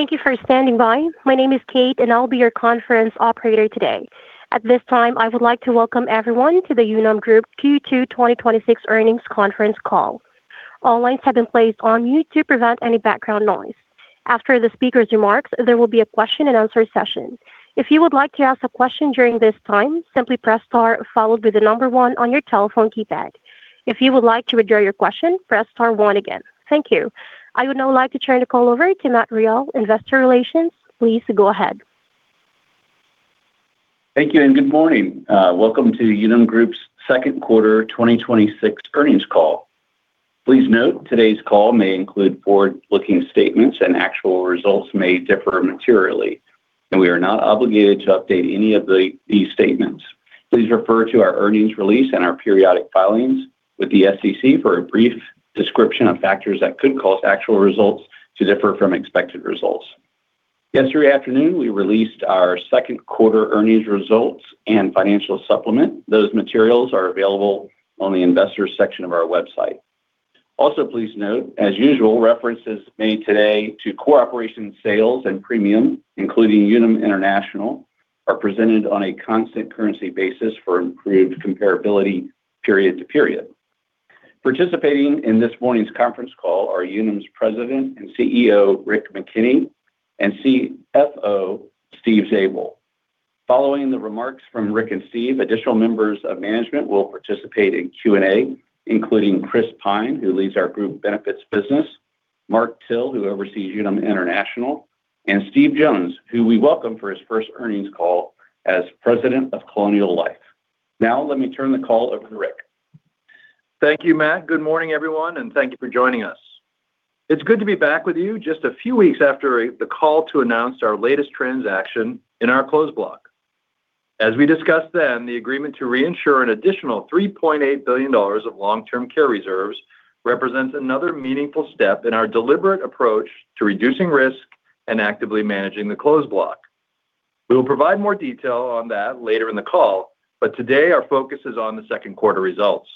Thank you for standing by. My name is Kate, and I will be your conference operator today. At this time, I would like to welcome everyone to the Unum Group Q2 2026 Earnings Conference Call. All lines have been placed on mute to prevent any background noise. After the speaker's remarks, there will be a question and answer session. If you would like to ask a question during this time, simply press star followed by the number one on your telephone keypad. If you would like to withdraw your question, press star one again. Thank you. I would now like to turn the call over to Matt Royal, investor relations. Please go ahead. Thank you. Good morning. Welcome to Unum Group's Q2 2026 Earnings Call. Please note, today's call may include forward-looking statements, and actual results may differ materially, and we are not obligated to update any of these statements. Please refer to our earnings release and our periodic filings with the SEC for a brief description of factors that could cause actual results to differ from expected results. Yesterday afternoon, we released our second quarter earnings results and financial supplement. Those materials are available on the investors section of our website. Also, please note, as usual, references made today to operations, sales, and premium, including Unum International, are presented on a constant currency basis for improved comparability period to period. Participating in this morning's conference call are Unum's President and CEO, Rick McKenney, and CFO, Steven Zabel. Following the remarks from Rick and Steven, additional members of management will participate in Q&A, including Chris Pyne, who leads our group benefits business, Mark Till, who oversees Unum International, and Steve Jones, who we welcome for his first earnings call as President of Colonial Life. Let me turn the call over to Rick. Thank you, Matt. Good morning, everyone. Thank you for joining us. It is good to be back with you just a few weeks after the call to announce our latest transaction in our closed block. As we discussed then, the agreement to reinsure an additional $3.8 billion of long-term care reserves represents another meaningful step in our deliberate approach to reducing risk and actively managing the closed block. We will provide more detail on that later in the call, but today our focus is on the scond quarter results,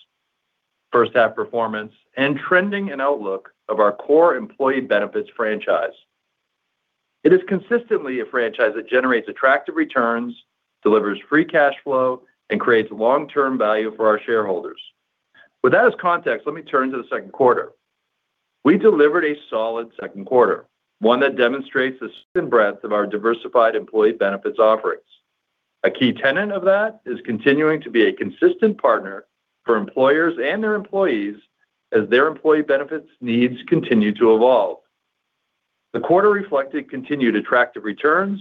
H1 performance, and trending and outlook of our core employee benefits franchise. It is consistently a franchise that generates attractive returns, delivers free cash flow, and creates long-term value for our shareholders. With that as context, let me turn to the second quarter. We delivered a solid second quarter, one that demonstrates the scope and breadth of our diversified employee benefits offerings. A key tenet of that is continuing to be a consistent partner for employers and their employees as their employee benefits needs continue to evolve. The quarter reflected continued attractive returns,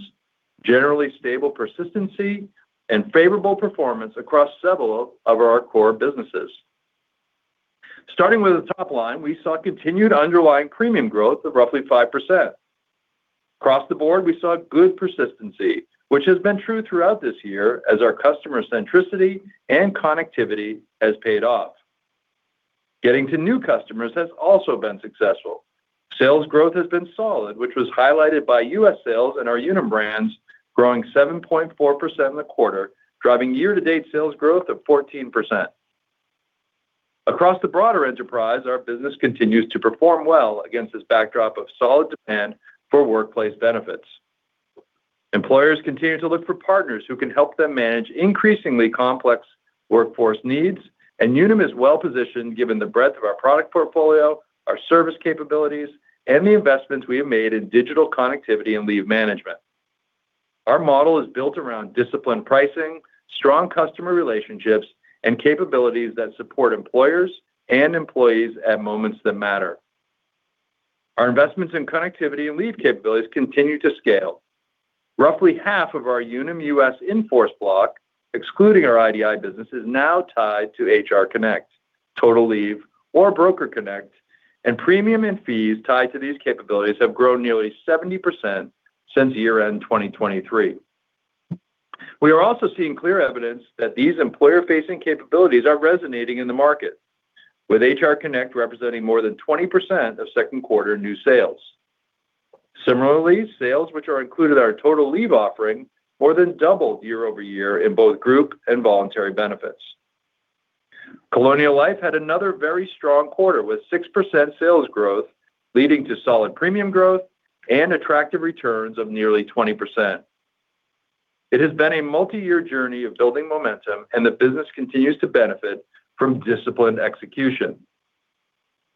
generally stable persistency, and favorable performance across several of our core businesses. Starting with the top line, we saw continued underlying premium growth of roughly 5%. Across the board, we saw good persistency, which has been true throughout this year as our customer centricity and connectivity has paid off. Getting to new customers has also been successful. Sales growth has been solid, which was highlighted by U.S. sales and our Unum brands growing 7.4% in the quarter, driving year-to-date sales growth of 14%. Across the broader enterprise, our business continues to perform well against this backdrop of solid demand for workplace benefits. Employers continue to look for partners who can help them manage increasingly complex workforce needs, and Unum is well-positioned given the breadth of our product portfolio, our service capabilities, and the investments we have made in digital connectivity and leave management. Our model is built around disciplined pricing, strong customer relationships, and capabilities that support employers and employees at moments that matter. Our investments in connectivity and leave capabilities continue to scale. Roughly half of our Unum US in-force block, excluding our IDI business, is now tied to HR Connect, Total Leave, or Broker Connect, and premium and fees tied to these capabilities have grown nearly 70% since year-end 2023. We are also seeing clear evidence that these employer-facing capabilities are resonating in the market, with HR Connect representing more than 20% of second quarter new sales. Similarly, sales which are included in our Total Leave offering more than doubled year-over-year in both group and voluntary benefits. Colonial Life had another very strong quarter with 6% sales growth, leading to solid premium growth and attractive returns of nearly 20%. It has been a multi-year journey of building momentum, and the business continues to benefit from disciplined execution.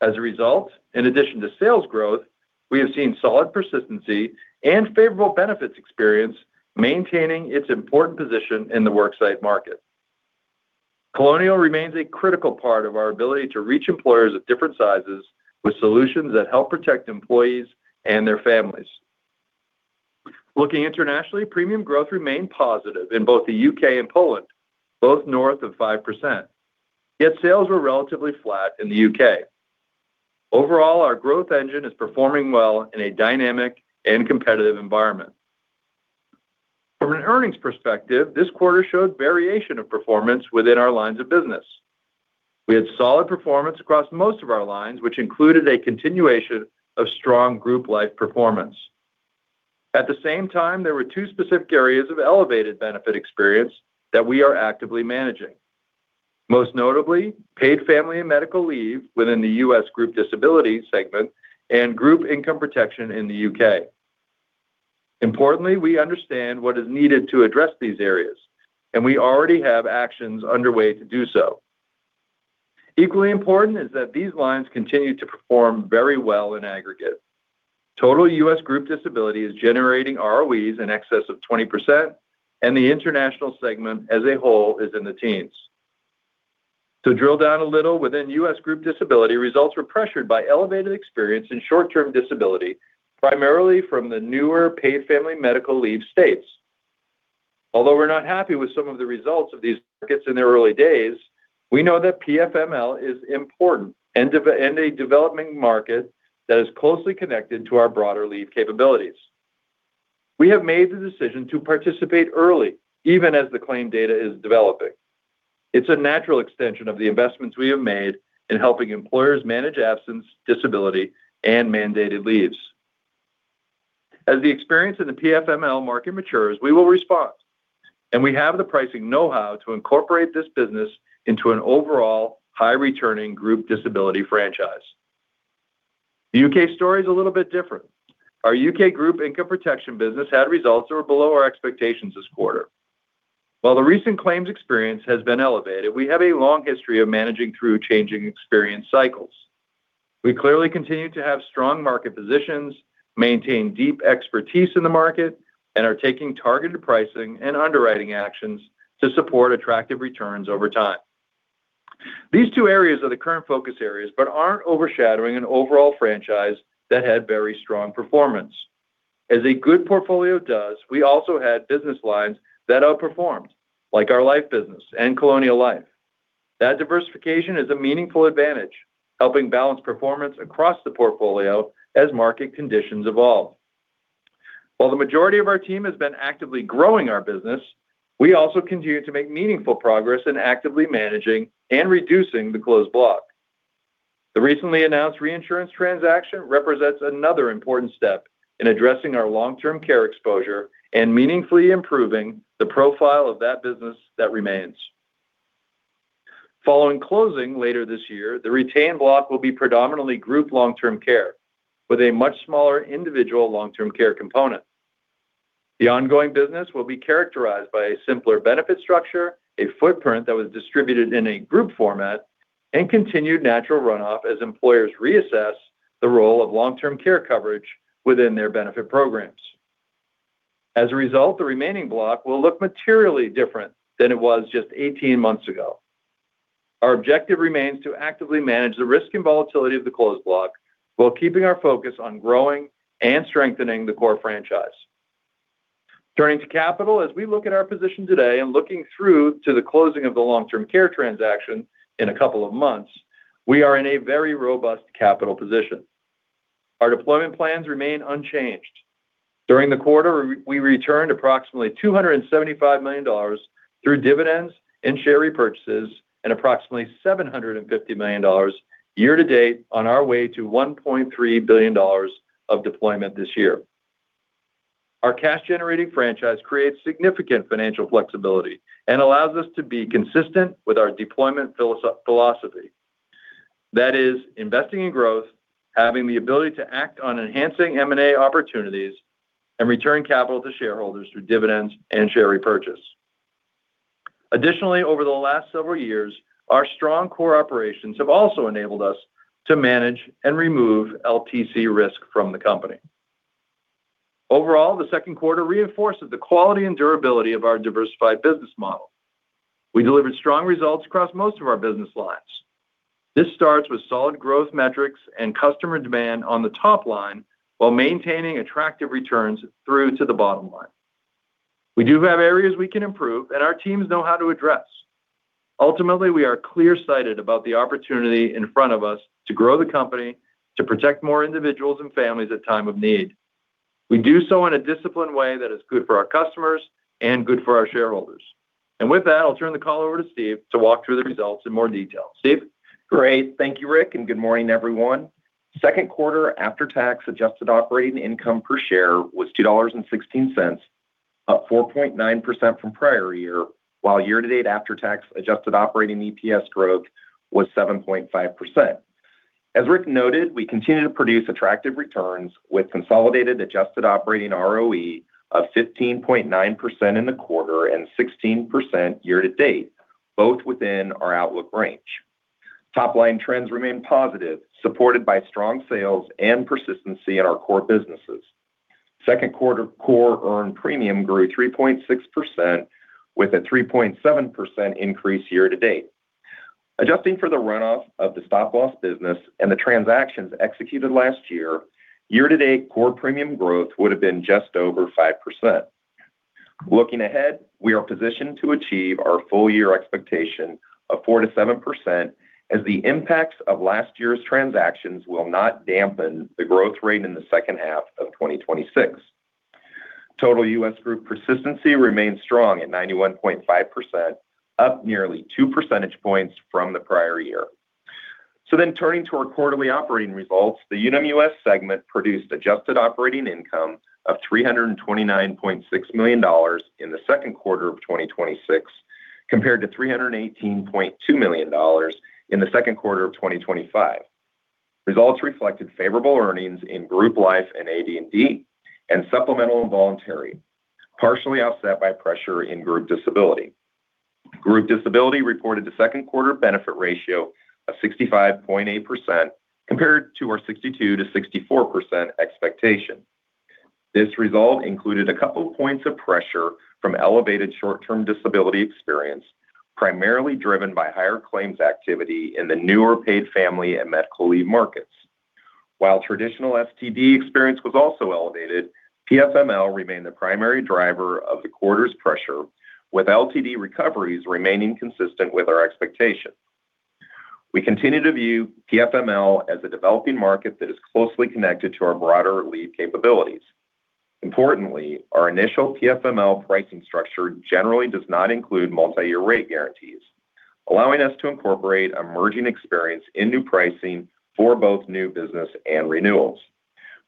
As a result, in addition to sales growth, we have seen solid persistency and favorable benefits experience maintaining its important position in the worksite market. Colonial remains a critical part of our ability to reach employers of different sizes with solutions that help protect employees and their families. Looking internationally, premium growth remained positive in both the U.K. and Poland, both north of 5%, yet sales were relatively flat in the U.K.. Overall, our growth engine is performing well in a dynamic and competitive environment. From an earnings perspective, this quarter showed variation of performance within our lines of business. We had solid performance across most of our lines, which included a continuation of strong Group Life performance. At the same time, there were two specific areas of elevated benefit experience that we are actively managing. Most notably, paid family and medical leave within the US Group Disability segment and Group Income Protection in the U.K.. Importantly, we understand what is needed to address these areas, and we already have actions underway to do so. Equally important is that these lines continue to perform very well in aggregate. Total US Group Disability is generating ROEs in excess of 20%, and the international segment as a whole is in the teens. To drill down a little within US Group Disability, results were pressured by elevated experience in short-term disability, primarily from the newer paid family medical leave states. Although we're not happy with some of the results of these markets in their early days, we know that PFML is important and a developing market that is closely connected to our broader leave capabilities. We have made the decision to participate early, even as the claim data is developing. It's a natural extension of the investments we have made in helping employers manage absence, disability, and mandated leaves. As the experience in the PFML market matures, we will respond, and we have the pricing know-how to incorporate this business into an overall high-returning Group Disability franchise. The U.K. story is a little bit different. Our UK Group Income Protection business had results that were below our expectations this quarter. While the recent claims experience has been elevated, we have a long history of managing through changing experience cycles. We clearly continue to have strong market positions, maintain deep expertise in the market, and are taking targeted pricing and underwriting actions to support attractive returns over time. These two areas are the current focus areas but aren't overshadowing an overall franchise that had very strong performance. As a good portfolio does, we also had business lines that outperformed, like our life business and Colonial Life. That diversification is a meaningful advantage, helping balance performance across the portfolio as market conditions evolve. While the majority of our team has been actively growing our business, we also continue to make meaningful progress in actively managing and reducing the closed block. The recently announced reinsurance transaction represents another important step in addressing our long-term care exposure and meaningfully improving the profile of that business that remains. Following closing later this year, the retained block will be predominantly group long-term care with a much smaller individual long-term care component. The ongoing business will be characterized by a simpler benefit structure, a footprint that was distributed in a group format, and continued natural runoff as employers reassess the role of long-term care coverage within their benefit programs. As a result, the remaining block will look materially different than it was just 18 months ago. Our objective remains to actively manage the risk and volatility of the closed block while keeping our focus on growing and strengthening the core franchise. Turning to capital, as we look at our position today and looking through to the closing of the long-term care transaction in a couple of months, we are in a very robust capital position. Our deployment plans remain unchanged. During the quarter, we returned approximately $275 million through dividends and share repurchases, and approximately $750 million year to date on our way to $1.3 billion of deployment this year. Our cash-generating franchise creates significant financial flexibility and allows us to be consistent with our deployment philosophy. That is investing in growth, having the ability to act on enhancing M&A opportunities, and return capital to shareholders through dividends and share repurchase. Additionally, over the last several years, our strong core operations have also enabled us to manage and remove LTC risk from the company. Overall, the second quarter reinforces the quality and durability of our diversified business model. We delivered strong results across most of our business lines. This starts with solid growth metrics and customer demand on the top line while maintaining attractive returns through to the bottom line. We do have areas we can improve and our teams know how to address. Ultimately, we are clear-sighted about the opportunity in front of us to grow the company, to protect more individuals and families at time of need. We do so in a disciplined way that is good for our customers and good for our shareholders. With that, I'll turn the call over to Steven to walk through the results in more detail. Steven? Great. Thank you, Rick, and good morning, everyone. Second quarter after-tax adjusted operating income per share was $2.16, up 4.9% from prior year, while year-to-date after-tax adjusted operating EPS growth was 7.5%. As Rick noted, we continue to produce attractive returns with consolidated adjusted operating ROE of 15.9% in the quarter and 16% year-to-date, both within our outlook range. Top-line trends remain positive, supported by strong sales and persistency in our core businesses. Second quarter core earned premium grew 3.6% with a 3.7% increase year-to-date. Adjusting for the runoff of the stop-loss business and the transactions executed last year-to-date core premium growth would have been just over 5%. Looking ahead, we are positioned to achieve our full year expectation of 4%-7% as the impacts of last year's transactions will not dampen the growth rate in the second half of 2026. Total US Group persistency remains strong at 91.5%, up nearly two percentage points from the prior year. Turning to our quarterly operating results, the Unum US segment produced adjusted operating income of $329.6 million in the second quarter of 2026, compared to $318.2 million in the second quarter of 2025. Results reflected favorable earnings in group life and AD&D and supplemental and voluntary, partially offset by pressure in Group Disability. Group Disability reported the second quarter benefit ratio of 65.8%, compared to our 62%-64% expectation. This result included a couple of points of pressure from elevated short-term disability experience, primarily driven by higher claims activity in the newer paid family and medical leave markets. While traditional STD experience was also elevated, PFML remained the primary driver of the quarter's pressure, with LTD recoveries remaining consistent with our expectations. We continue to view PFML as a developing market that is closely connected to our broader leave capabilities. Importantly, our initial PFML pricing structure generally does not include multi-year rate guarantees, allowing us to incorporate emerging experience in new pricing for both new business and renewals.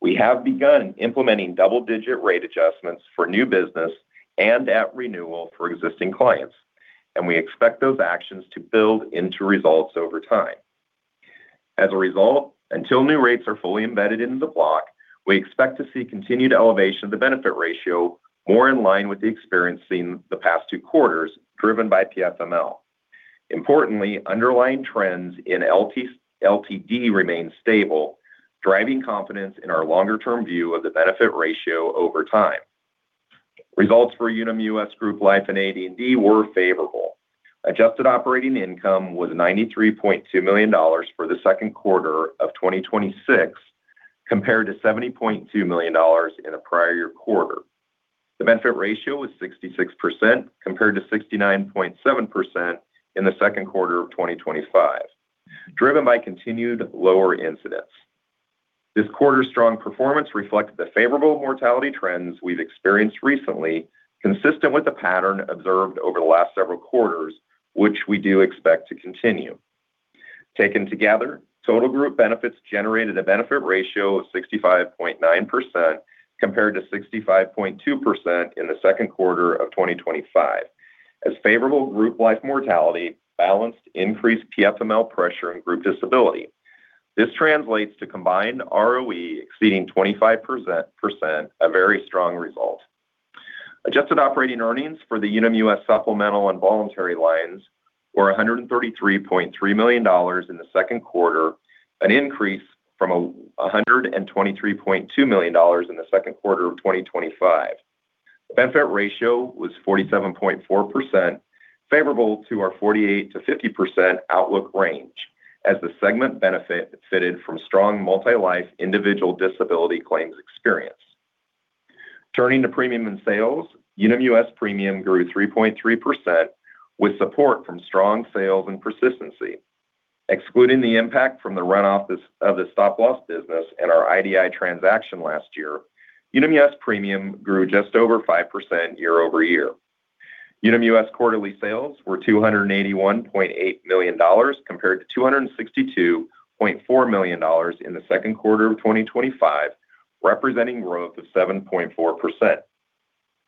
We have begun implementing double-digit rate adjustments for new business and at renewal for existing clients, we expect those actions to build into results over time. As a result, until new rates are fully embedded into the block, we expect to see continued elevation of the benefit ratio more in line with the experience in the past two quarters, driven by PFML. Importantly, underlying trends in LTD remain stable, driving confidence in our longer-term view of the benefit ratio over time. Results for Unum US Group Life and AD&D were favorable. Adjusted operating income was $93.2 million for the second quarter of 2026, compared to $70.2 million in the prior quarter. The benefit ratio was 66%, compared to 69.7% in the second quarter of 2025, driven by continued lower incidence. This quarter's strong performance reflects the favorable mortality trends we've experienced recently, consistent with the pattern observed over the last several quarters, which we do expect to continue. Taken together, total group benefits generated a benefit ratio of 65.9%, compared to 65.2% in the second quarter of 2025, as favorable group life mortality balanced increased PFML pressure in group disability. This translates to combined ROE exceeding 25%, a very strong result. Adjusted operating earnings for the Unum US supplemental and voluntary lines were $133.3 million in the second quarter, an increase from $123.2 million in the scond quarter of 2025. The benefit ratio was 47.4%, favorable to our 48%-50% outlook range as the segment benefited from strong multi-life individual disability claims experience. Turning to premium and sales, Unum US premium grew 3.3% with support from strong sales and persistency. Excluding the impact from the run-off of the stop-loss business and our IDI transaction last year, Unum US premium grew just over 5% year-over-year. Unum US quarterly sales were $281.8 million, compared to $262.4 million in the second quarter of 2025, representing growth of 7.4%.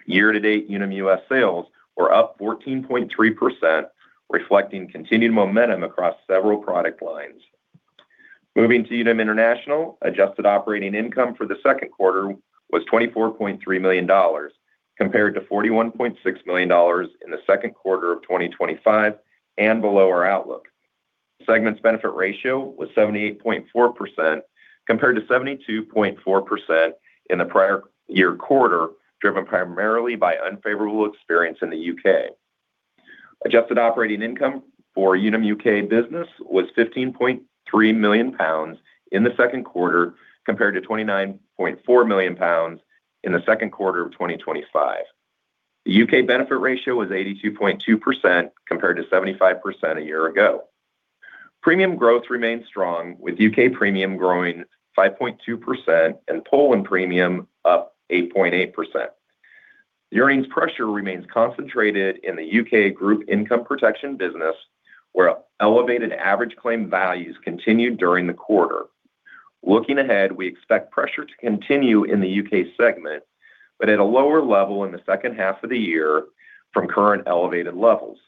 Year-to-date Unum US sales were up 14.3%, reflecting continued momentum across several product lines. Moving to Unum International, adjusted operating income for the second quarter was $24.3 million, compared to $41.6 million in the second quarter of 2025 and below our outlook. Segment's benefit ratio was 78.4%, compared to 72.4% in the prior-year quarter, driven primarily by unfavorable experience in the U.K.. Adjusted operating income for Unum UK business was 15.3 million pounds in the second quarter, compared to 29.4 million pounds in the second quarter of 2025. The U.K. benefit ratio was 82.2%, compared to 75% a year ago. Premium growth remained strong, with U.K. premium growing 5.2% and Poland premium up 8.8%. The earnings pressure remains concentrated in the UK Group Income Protection business, where elevated average claim values continued during the quarter. Looking ahead, we expect pressure to continue in the U.K. segment, but at a lower level in the second half of 2026 from current elevated levels,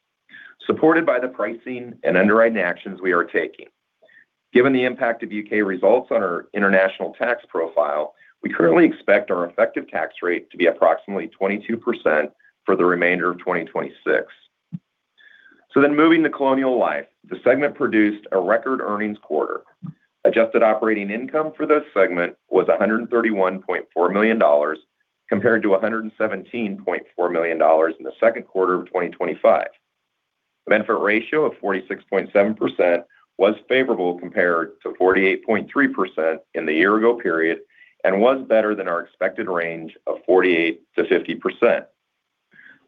supported by the pricing and underwriting actions we are taking. Given the impact of U.K. results on our international tax profile, we currently expect our effective tax rate to be approximately 22% for the remainder of 2026. Moving to Colonial Life, the segment produced a record earnings quarter. Adjusted operating income for this segment was $131.4 million, compared to $117.4 million in the second quarter of 2025. The benefit ratio of 46.7% was favorable compared to 48.3% in the year-ago period and was better than our expected range of 48%-50%.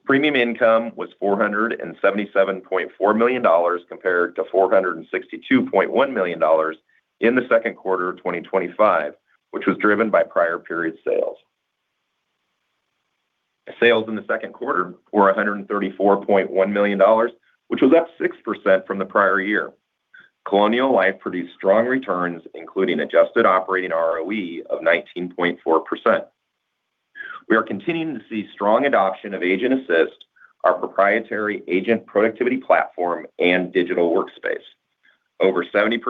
Premium income was $477.4 million compared to $462.1 million in the second quarter of 2025, which was driven by prior period sales. Sales in the second quarter were $134.1 million, which was up 6% from the prior year. Colonial Life produced strong returns, including adjusted operating ROE of 19.4%. We are continuing to see strong adoption of Agent Assist, our proprietary agent productivity platform and digital workspace. Over 70%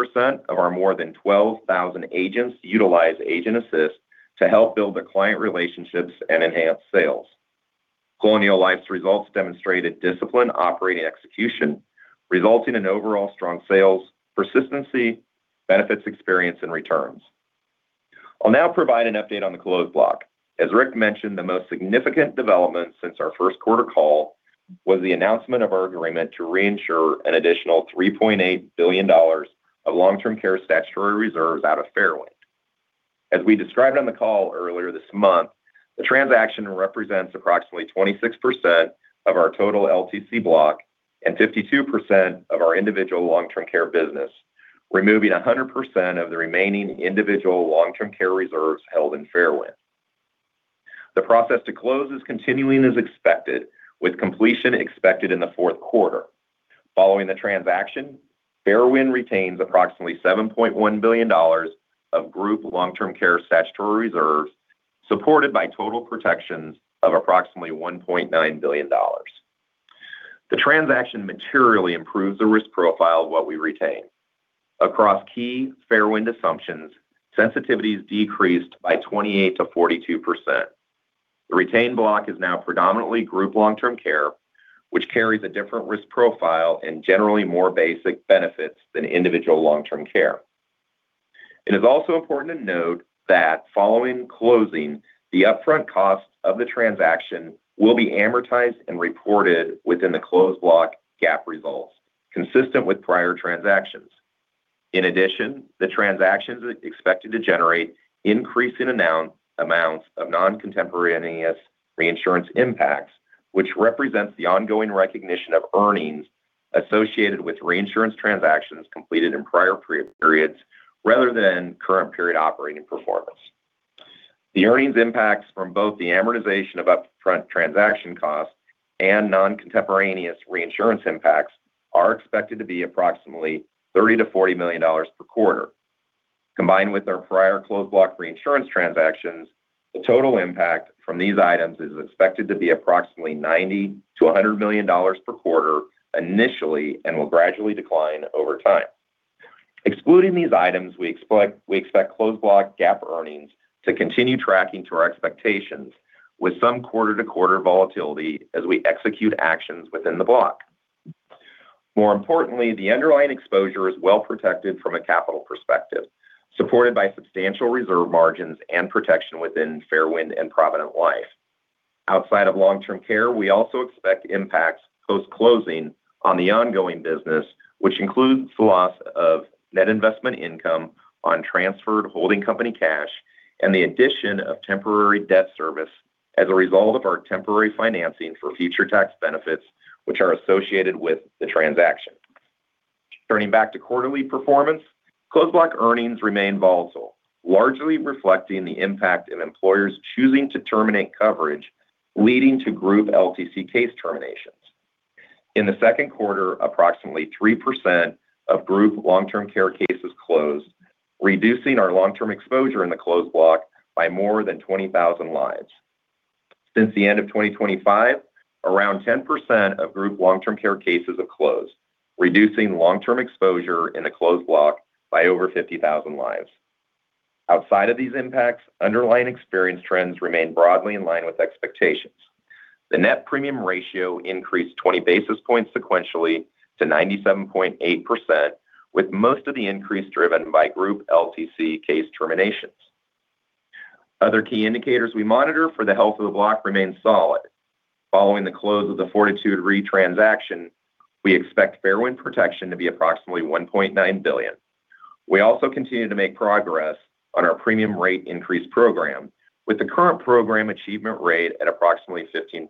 of our more than 12,000 agents utilize Agent Assist to help build their client relationships and enhance sales. Colonial Life's results demonstrated disciplined operating execution, resulting in overall strong sales, persistency, benefits experience and returns. I'll now provide an update on the closed block. As Rick mentioned, the most significant development since our first quarter call was the announcement of our agreement to reinsure an additional $3.8 billion of long-term care statutory reserves out of Fairwind. As we described on the call earlier this month, the transaction represents approximately 26% of our total LTC block and 52% of our individual long-term care business, removing 100% of the remaining individual long-term care reserves held in Fairwind. The process to close is continuing as expected, with completion expected in the fourth quarter. Following the transaction, Fairwind retains approximately $7.1 billion of group long-term care statutory reserves, supported by total protections of approximately $1.9 billion. The transaction materially improves the risk profile of what we retain. Across key Fairwind assumptions, sensitivities decreased by 28%-42%. The retained block is now predominantly group long-term care, which carries a different risk profile and generally more basic benefits than individual long-term care. It is also important to note that following closing, the upfront costs of the transaction will be amortized and reported within the closed block GAAP results, consistent with prior transactions. The transaction is expected to generate increasing amounts of non-contemporaneous reinsurance impacts, which represents the ongoing recognition of earnings associated with reinsurance transactions completed in prior periods rather than current period operating performance. The earnings impacts from both the amortization of upfront transaction costs and non-contemporaneous reinsurance impacts are expected to be approximately $30 million-$40 million per quarter. Combined with our prior closed block reinsurance transactions, the total impact from these items is expected to be approximately $90 million-$100 million per quarter initially and will gradually decline over time. Excluding these items, we expect closed block GAAP earnings to continue tracking to our expectations with some quarter-to-quarter volatility as we execute actions within the block. The underlying exposure is well protected from a capital perspective, supported by substantial reserve margins and protection within Fairwind and Provident Life. Outside of long-term care, we also expect impacts post-closing on the ongoing business, which includes the loss of net investment income on transferred holding company cash and the addition of temporary debt service as a result of our temporary financing for future tax benefits, which are associated with the transaction. Turning back to quarterly performance, closed block earnings remain volatile, largely reflecting the impact of employers choosing to terminate coverage, leading to group LTC case terminations. In the second quarter, approximately 3% of group long-term care cases closed, reducing our long-term exposure in the closed block by more than 20,000 lives. Since the end of 2025, around 10% of group long-term care cases have closed, reducing long-term exposure in the closed block by over 50,000 lives. Outside of these impacts, underlying experience trends remain broadly in line with expectations. The net premium ratio increased 20 basis points sequentially to 97.8%, with most of the increase driven by group LTC case terminations. Other key indicators we monitor for the health of the block remain solid. Following the close of the Fortitude Re transaction, we expect Fairwind protection to be approximately $1.9 billion. We also continue to make progress on our premium rate increase program, with the current program achievement rate at approximately 15%.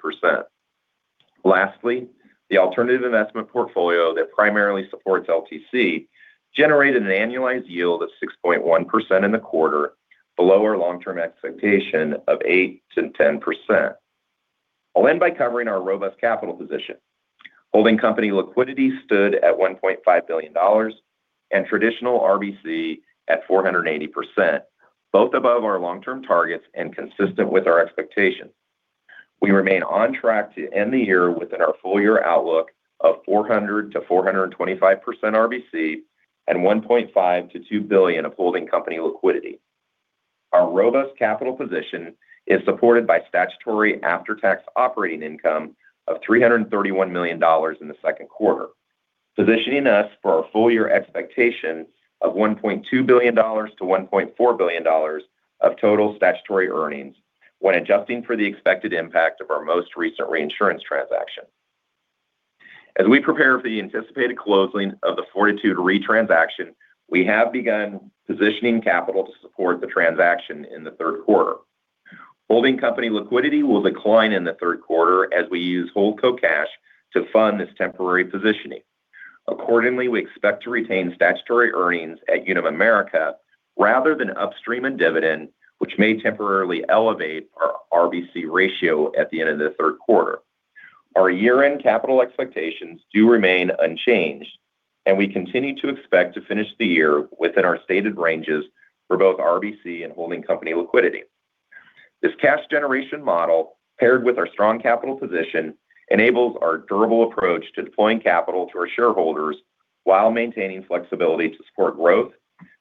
Lastly, the alternative investment portfolio that primarily supports LTC generated an annualized yield of 6.1% in the quarter, below our long-term expectation of 8%-10%. I'll end by covering our robust capital position. Holding company liquidity stood at $1.5 billion and traditional RBC at 480%, both above our long-term targets and consistent with our expectations. We remain on track to end the year within our full year outlook of 400%-425% RBC and $1.5 billion to $2 billion of holding company liquidity. Our robust capital position is supported by statutory after-tax operating income of $331 million in the second quarter, positioning us for our full year expectation of $1.2 billion-$1.4 billion of total statutory earnings when adjusting for the expected impact of our most recent reinsurance transaction. As we prepare for the anticipated closing of the Fortitude Re transaction, we have begun positioning capital to support the transaction in the third quarter. Holding company liquidity will decline in the third quarter as we use Holdco cash to fund this temporary positioning. Accordingly, we expect to retain statutory earnings at Unum America rather than upstream and dividend, which may temporarily elevate our RBC ratio at the end of the third quarter. Our year-end capital expectations do remain unchanged. We continue to expect to finish the year within our stated ranges for both RBC and holding company liquidity. This cash generation model, paired with our strong capital position, enables our durable approach to deploying capital to our shareholders while maintaining flexibility to support growth,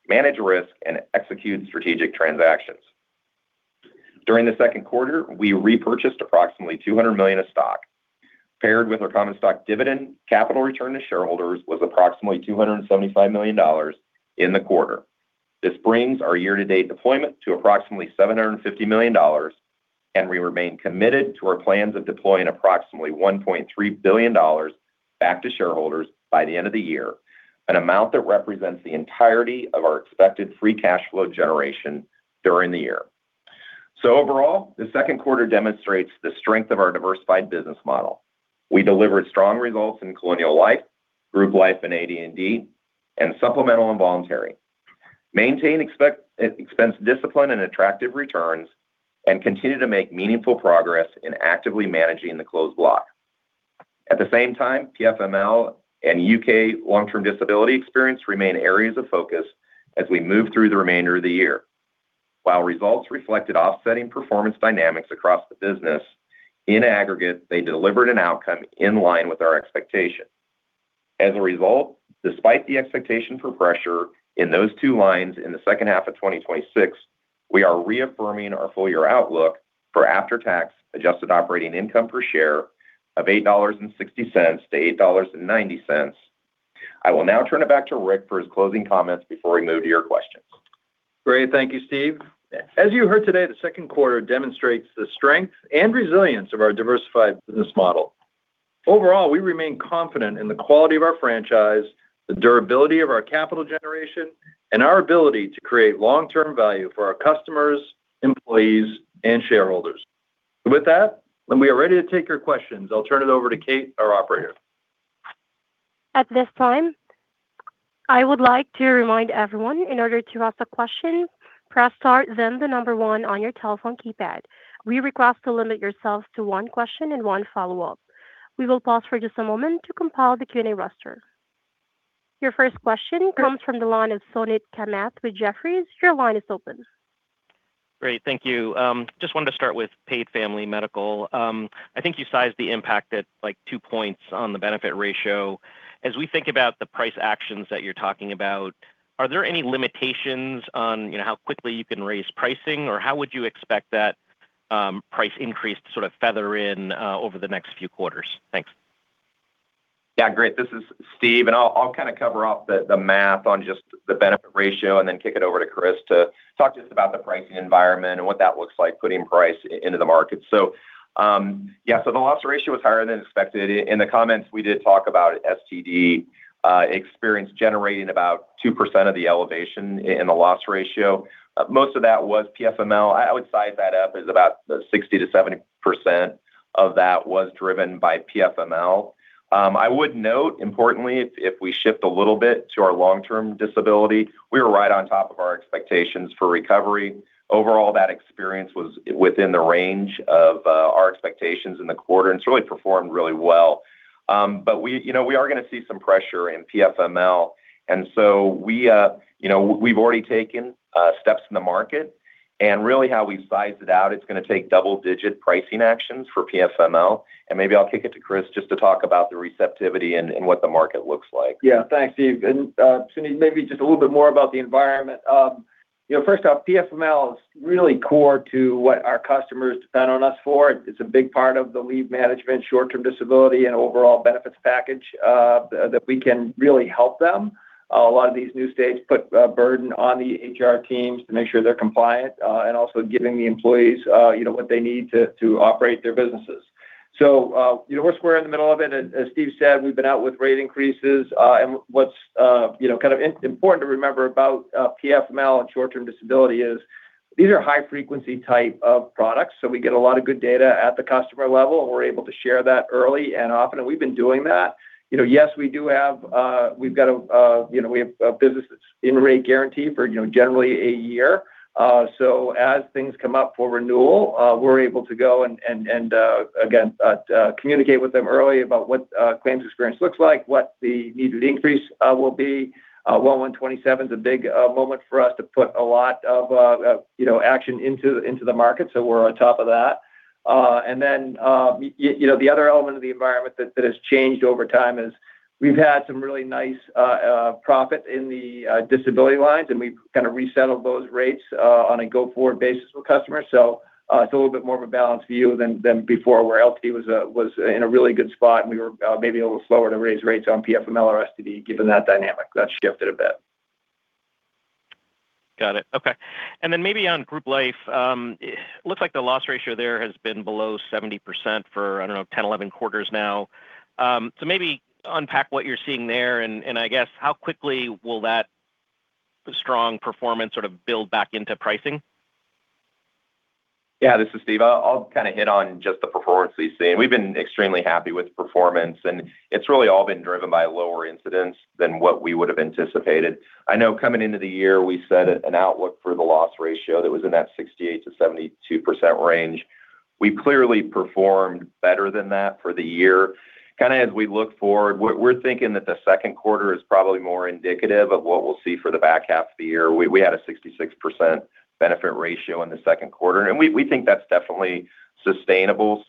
manage risk, and execute strategic transactions. During the second quarter, we repurchased approximately $200 million of stock. Paired with our common stock dividend, capital return to shareholders was approximately $275 million in the quarter. This brings our year-to-date deployment to approximately $750 million, and we remain committed to our plans of deploying approximately $1.3 billion back to shareholders by the end of the year, an amount that represents the entirety of our expected free cash flow generation during the year. Overall, the second quarter demonstrates the strength of our diversified business model. We delivered strong results in Colonial Life, Group Life and AD&D, and Supplemental and Voluntary, maintain expense discipline and attractive returns, and continue to make meaningful progress in actively managing the closed block. At the same time, PFML and U.K. long-term disability experience remain areas of focus as we move through the remainder of the year. While results reflected offsetting performance dynamics across the business, in aggregate, they delivered an outcome in line with our expectations. As a result, despite the expectation for pressure in those two lines in the second half of 2026, we are reaffirming our full year outlook for after-tax adjusted operating income per share of $8.60-$8.90. I will now turn it back to Rick for his closing comments before we move to your questions. Great. Thank you, Steven. As you heard today, the second quarter demonstrates the strength and resilience of our diversified business model. Overall, we remain confident in the quality of our franchise, the durability of our capital generation, and our ability to create long-term value for our customers, employees, and shareholders. With that, when we are ready to take your questions, I'll turn it over to Kate, our operator. At this time, I would like to remind everyone, in order to ask a question, press star then the number one on your telephone keypad. We request to limit yourself to one question and one follow-up. We will pause for just a moment to compile the Q&A roster. Your first question comes from the line of Suneet Kamath with Jefferies. Your line is open. Great. Thank you. Just wanted to start with paid family medical. I think you sized the impact at two points on the benefit ratio. As we think about the price actions that you're talking about, are there any limitations on how quickly you can raise pricing, or how would you expect that price increase to sort of feather in over the next few quarters? Thanks. Yeah, great. This is Steven, and I'll kind of cover off the math on just the benefit ratio and then kick it over to Chris to talk just about the pricing environment and what that looks like putting price into the market. Yeah, so the loss ratio was higher than expected. In the comments, we did talk about STD experience generating about 2% of the elevation in the loss ratio. Most of that was PFML. I would size that up as about 60%-70% of that was driven by PFML. I would note, importantly, if we shift a little bit to our long-term disability, we were right on top of our expectations for recovery. Overall, that experience was within the range of our expectations in the quarter, and it's really performed really well. We are going to see some pressure in PFML. We've already taken steps in the market, and really how we size it out, it's going to take double-digit pricing actions for PFML. Maybe I'll kick it to Chris just to talk about the receptivity and what the market looks like. Yeah. Thanks, Steven. Suneet, maybe just a little bit more about the environment. First off, PFML is really core to what our customers depend on us for. It's a big part of the leave management, short-term disability, and overall benefits package that we can really help them. A lot of these new states put a burden on the HR teams to make sure they're compliant, and also giving the employees what they need to operate their businesses. We're square in the middle of it, and as Steven said, we've been out with rate increases. What's kind of important to remember about PFML and short-term disability is these are high-frequency type of products. We get a lot of good data at the customer level, and we're able to share that early and often, and we've been doing that. Yes, we have a business that's in rate guarantee for generally a year. As things come up for renewal, we're able to go and again, communicate with them early about what claims experience looks like, what the needed increase will be. One/27 is a big moment for us to put a lot of action into the market, so we're on top of that. The other element of the environment that has changed over time is we've had some really nice profit in the disability lines, and we've kind of resettled those rates on a go-forward basis with customers. It's a little bit more of a balanced view than before where LT was in a really good spot, and we were maybe a little slower to raise rates on PFML or STD given that dynamic. That shifted a bit. Got it. Okay. Maybe on Group Life, looks like the loss ratio there has been below 70% for, I don't know, 10, 11 quarters now. Maybe unpack what you're seeing there, and I guess how quickly will that strong performance sort of build back into pricing? Yeah, this is Steven. I'll hit on just the performance we've seen. We've been extremely happy with performance, it's really all been driven by lower incidents than what we would have anticipated. I know coming into the year, we set an outlook for the loss ratio that was in that 68%-72% range. We clearly performed better than that for the year. As we look forward, we're thinking that the second quarter is probably more indicative of what we'll see for the back half of the year. We had a 66% benefit ratio in the second quarter, we think that's definitely sustainable.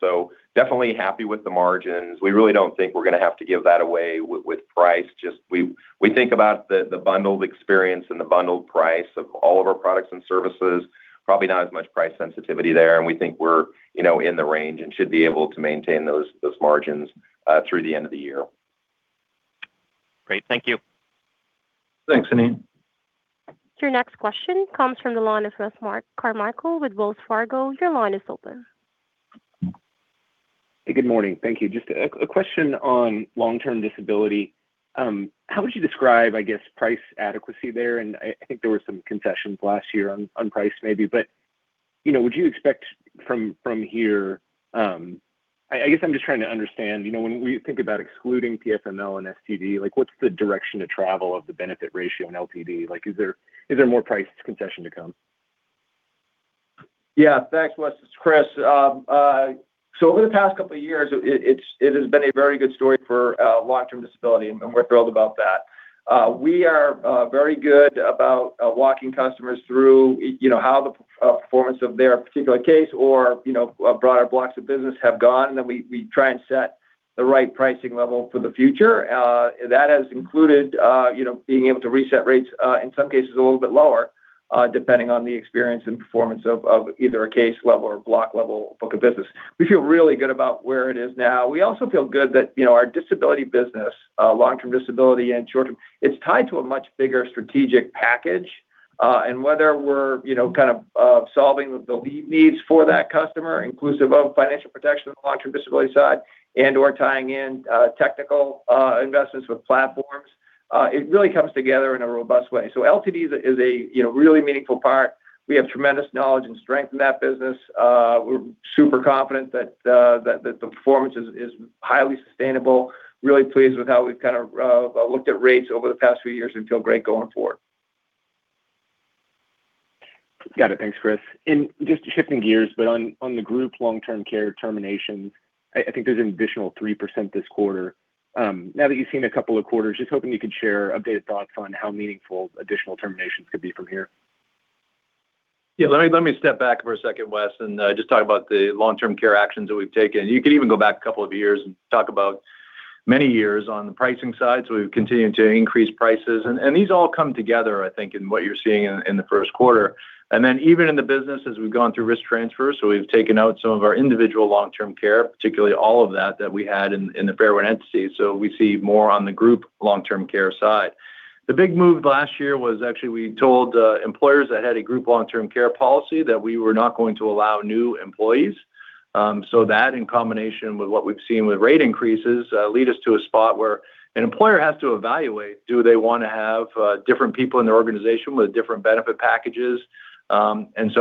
Definitely happy with the margins. We really don't think we're going to have to give that away with price. We think about the bundled experience and the bundled price of all of our products and services, probably not as much price sensitivity there, we think we're in the range and should be able to maintain those margins through the end of the year. Great. Thank you. Thanks, Suneet. Your next question comes from the line of Wes Carmichael with Wells Fargo. Your line is open. Hey, good morning. Thank you. Just a question on long-term disability. How would you describe, I guess, price adequacy there? I think there were some concessions last year on price maybe. Would you expect from here I guess I'm just trying to understand, when we think about excluding PFML and STD, what's the direction of travel of the benefit ratio in LTD? Is there more price concession to come? Yeah. Thanks, Wes. It's Chris. Over the past couple of years, it has been a very good story for long-term disability. We're thrilled about that. We are very good about walking customers through how the performance of their particular case or broader blocks of business have gone. Then we try and set the right pricing level for the future. That has included being able to reset rates, in some cases a little bit lower, depending on the experience and performance of either a case level or block level book of business. We feel really good about where it is now. We also feel good that our disability business, long-term disability and short-term, it's tied to a much bigger strategic package. Whether we're solving the lead needs for that customer, inclusive of financial protection on the long-term disability side and/or tying in technical investments with platforms, it really comes together in a robust way. LTD is a really meaningful part. We have tremendous knowledge and strength in that business. We're super confident that the performance is highly sustainable, really pleased with how we've looked at rates over the past few years. Feel great going forward. Got it. Thanks, Chris. Just shifting gears on the group long-term care termination, I think there's an additional 3% this quarter. Now that you've seen a couple of quarters, just hoping you could share updated thoughts on how meaningful additional terminations could be from here. Yeah. Let me step back for a second, Wes, and just talk about the long-term care actions that we've taken. You could even go back a couple of years and talk about many years on the pricing side. We've continued to increase prices, and these all come together, I think, in what you're seeing in the first quarter. Even in the business, as we've gone through risk transfers, we've taken out some of our individual long-term care, particularly all of that we had in the Fairwind entity. We see more on the group long-term care side. The big move last year was actually we told employers that had a group long-term care policy that we were not going to allow new employees. That in combination with what we've seen with rate increases, lead us to a spot where an employer has to evaluate, do they want to have different people in their organization with different benefit packages?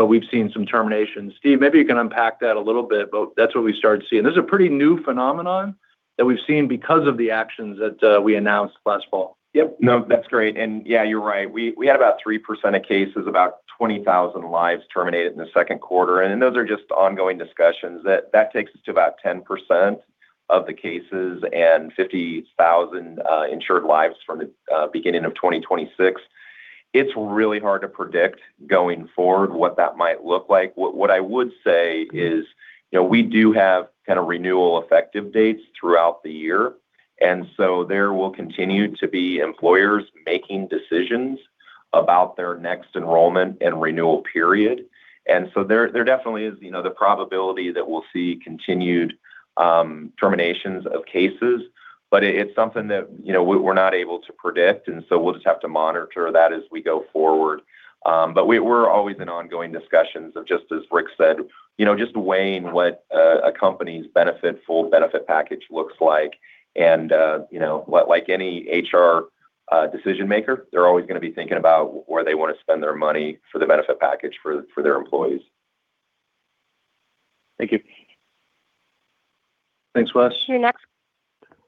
We've seen some terminations. Steven, maybe you can unpack that a little bit, that's what we started seeing. This is a pretty new phenomenon that we've seen because of the actions that we announced last fall. Yep. No, that's great. Yeah, you're right. We had about 3% of cases, about 20,000 lives terminated in the second quarter, and those are just ongoing discussions. That takes us to about 10% of the cases and 50,000 insured lives from the beginning of 2026. It's really hard to predict going forward what that might look like. What I would say is, we do have kind of renewal effective dates throughout the year, there will continue to be employers making decisions about their next enrollment and renewal period. There definitely is the probability that we'll see continued terminations of cases, it's something that we're not able to predict, we'll just have to monitor that as we go forward. We're always in ongoing discussions of just as Rick said, just weighing what a company's full benefit package looks like. Like any HR decision maker, they're always going to be thinking about where they want to spend their money for the benefit package for their employees. Thank you. Thanks, Wes.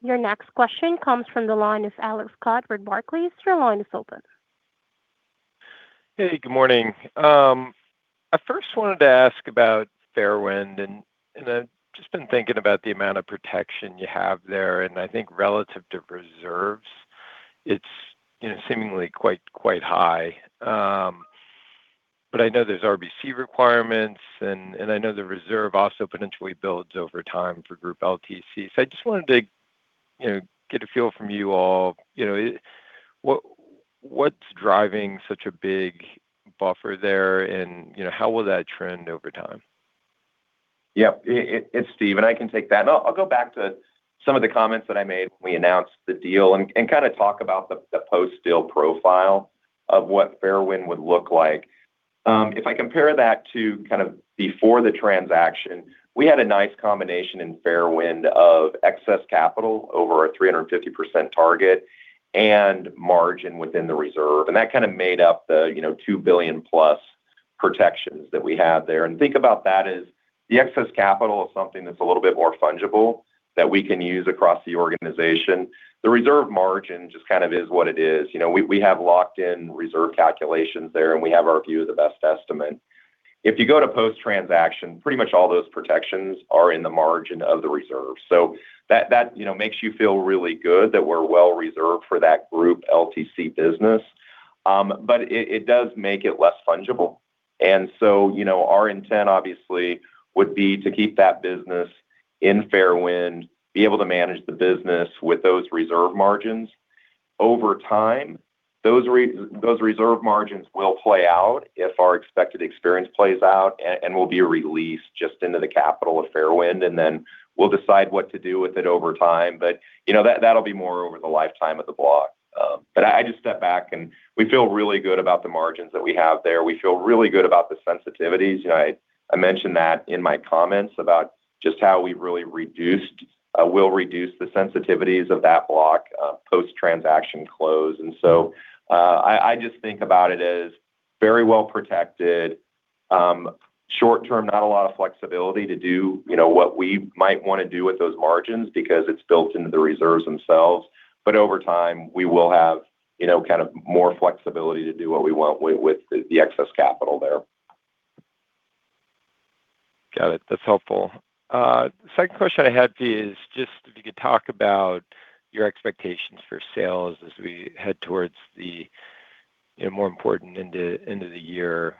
Your next question comes from the line of Alex Scott with Barclays. Your line is open. Hey, good morning. I first wanted to ask about Fairwind. I've just been thinking about the amount of protection you have there, and I think relative to reserves, it's seemingly quite high. I know there's RBC requirements, and I know the reserve also potentially builds over time for group LTCs. I just wanted to get a feel from you all, what's driving such a big buffer there, and how will that trend over time? Yep. It's Steven. I can take that. I'll go back to some of the comments that I made when we announced the deal and kind of talk about the post-deal profile of what Fairwind would look like. If I compare that to kind of before the transaction, we had a nice combination in Fairwind of excess capital over a 350% target and margin within the reserve, and that kind of made up the $2 billion plus protections that we have there. Think about that as the excess capital is something that's a little bit more fungible that we can use across the organization. The reserve margin just kind of is what it is. We have locked-in reserve calculations there, and we have our view of the best estimate. If you go to post-transaction, pretty much all those protections are in the margin of the reserve. That makes you feel really good that we're well reserved for that group LTC business, but it does make it less fungible. Our intent, obviously, would be to keep that business in Fairwind, be able to manage the business with those reserve margins. Over time, those reserve margins will play out if our expected experience plays out, and will be released just into the capital of Fairwind, and then we'll decide what to do with it over time. That'll be more over the lifetime of the block. I just step back, and we feel really good about the margins that we have there. We feel really good about the sensitivities. I mentioned that in my comments about just how we will reduce the sensitivities of that block post-transaction close. I just think about it as very well protected. Short term, not a lot of flexibility to do what we might want to do with those margins because it's built into the reserves themselves. Over time, we will have more flexibility to do what we want with the excess capital there. Got it. That's helpful. Second question I had for you is just if you could talk about your expectations for sales as we head towards the more important end of the year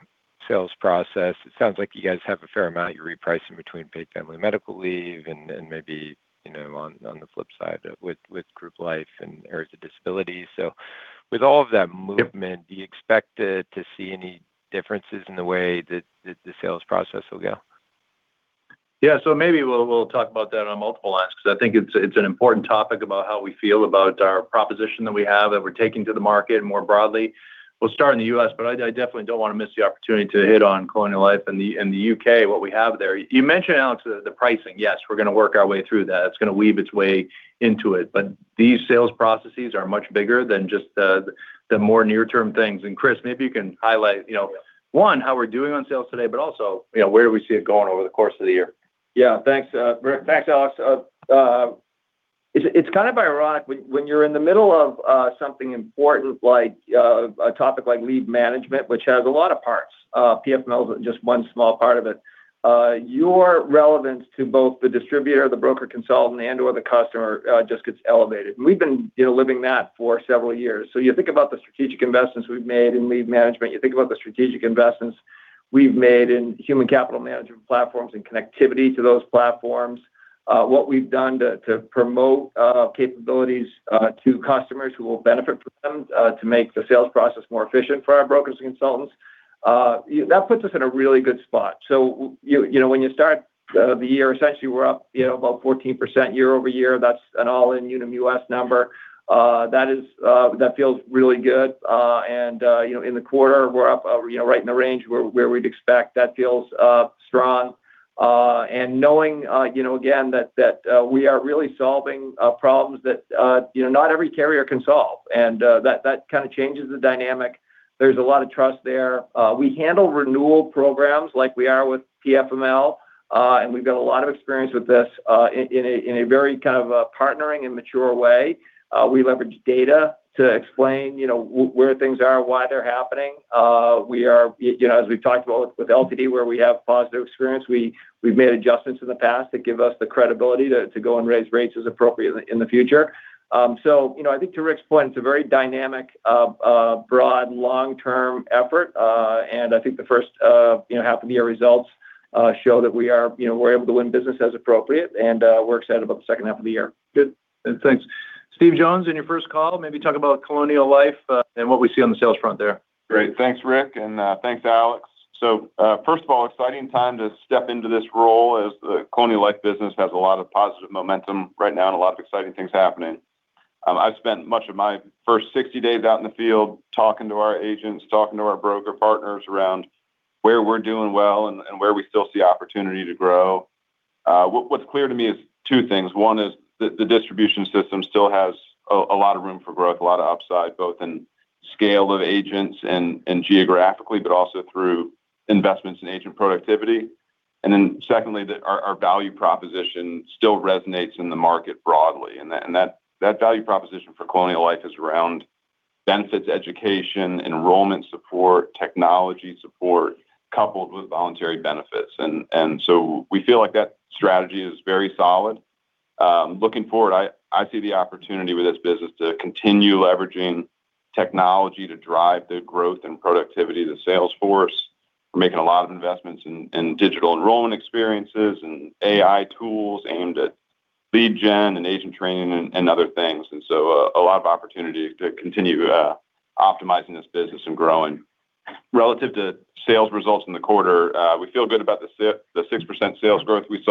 sales process. It sounds like you guys have a fair amount you're repricing between paid family medical leave and maybe on the flip side with group life and areas of disability. With all of that movement. Yep. Do you expect to see any differences in the way that the sales process will go? Yeah. Maybe we'll talk about that on multiple asks because I think it's an important topic about how we feel about our proposition that we have, that we're taking to the market more broadly. We'll start in the U.S., but I definitely don't want to miss the opportunity to hit on Colonial Life in the U.K., what we have there. You mentioned, Alex, the pricing. Yes, we're going to work our way through that. It's going to weave its way into it. These sales processes are much bigger than just the more near-term things. Chris, maybe you can highlight, one, how we're doing on sales today, but also, where we see it going over the course of the year. Yeah. Thanks, Rick. Thanks, Alex. It's kind of ironic, when you're in the middle of something important like a topic like leave management, which has a lot of parts, PFML is just one small part of it, your relevance to both the distributor, the broker consultant, and/or the customer just gets elevated. We've been living that for several years. You think about the strategic investments we've made in leave management, you think about the strategic investments we've made in human capital management platforms and connectivity to those platforms, what we've done to promote capabilities to customers who will benefit from them to make the sales process more efficient for our brokers and consultants. That puts us in a really good spot. When you start the year, essentially we're up about 14% year-over-year. That's an all-in Unum U.S. number. That feels really good. In the quarter, we're up right in the range where we'd expect. That feels strong. Knowing, again, that we are really solving problems that not every carrier can solve, and that kind of changes the dynamic. There's a lot of trust there. We handle renewal programs like we are with PFML, and we've got a lot of experience with this in a very kind of partnering and mature way. We leverage data to explain where things are and why they're happening. As we've talked about with LTD, where we have positive experience, we've made adjustments in the past that give us the credibility to go and raise rates as appropriate in the future. I think to Rick's point, it's a very dynamic, broad, long-term effort. I think the first half of the year results show that we're able to win business as appropriate, and we're excited about the second half of the year. Good. Thanks. Steve Jones, in your first call, maybe talk about Colonial Life and what we see on the sales front there. Great. Thanks, Rick, and thanks, Alex. First of all, exciting time to step into this role as the Colonial Life business has a lot of positive momentum right now and a lot of exciting things happening. I've spent much of my first 60 days out in the field talking to our agents, talking to our broker partners around where we're doing well and where we still see opportunity to grow. What's clear to me is two things. One is that the distribution system still has a lot of room for growth, a lot of upside, both in scale of agents and geographically, but also through investments in agent productivity. Then secondly, that our value proposition still resonates in the market broadly, and that value proposition for Colonial Life is around benefits education, enrollment support, technology support, coupled with voluntary benefits. We feel like that strategy is very solid. Looking forward, I see the opportunity with this business to continue leveraging technology to drive the growth and productivity of the sales force. We're making a lot of investments in digital enrollment experiences and AI tools aimed at lead gen and agent training and other things. A lot of opportunity to continue optimizing this business and growing. Relative to sales results in the quarter, we feel good about the 6% sales growth we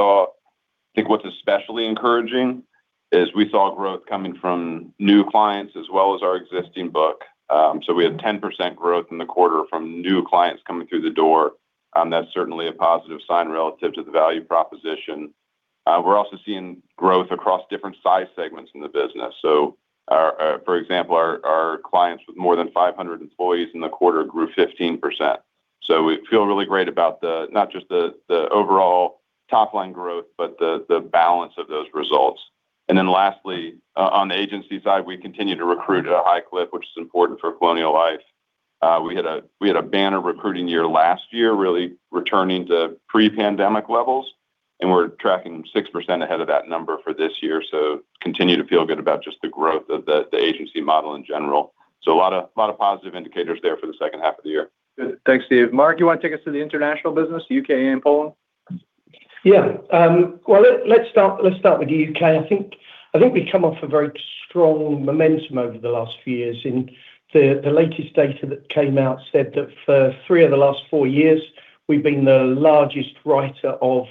saw. I think what's especially encouraging is we saw growth coming from new clients as well as our existing book. We had 10% growth in the quarter from new clients coming through the door. That's certainly a positive sign relative to the value proposition We're also seeing growth across different size segments in the business. For example, our clients with more than 500 employees in the quarter grew 15%. We feel really great about not just the overall top-line growth, but the balance of those results. Lastly, on the agency side, we continue to recruit at a high clip, which is important for Colonial Life. We had a banner recruiting year last year, really returning to pre-pandemic levels, and we're tracking 6% ahead of that number for this year. Continue to feel good about just the growth of the agency model in general. A lot of positive indicators there for the second half of the year. Good. Thanks, Steve. Mark, you want to take us to the international business, U.K. and Poland? Let's start with U.K.. I think we come off a very strong momentum over the last few years. The latest data that came out said that for three of the last four years, we've been the largest writer of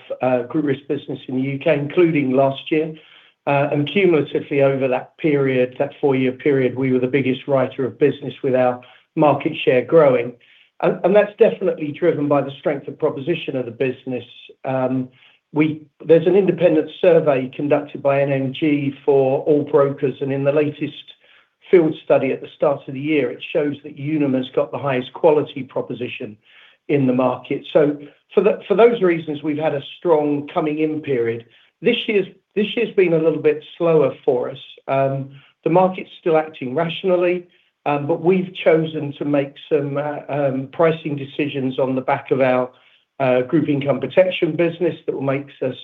group risk business in the U.K., including last year. Cumulatively over that four-year period, we were the biggest writer of business with our market share growing. That's definitely driven by the strength of proposition of the business. There's an independent survey conducted by NMG for all brokers, and in the latest field study at the start of the year, it shows that Unum has got the highest quality proposition in the market. For those reasons, we've had a strong coming in period. This year's been a little bit slower for us. The market's still acting rationally, we've chosen to make some pricing decisions on the back of our group income protection business that makes us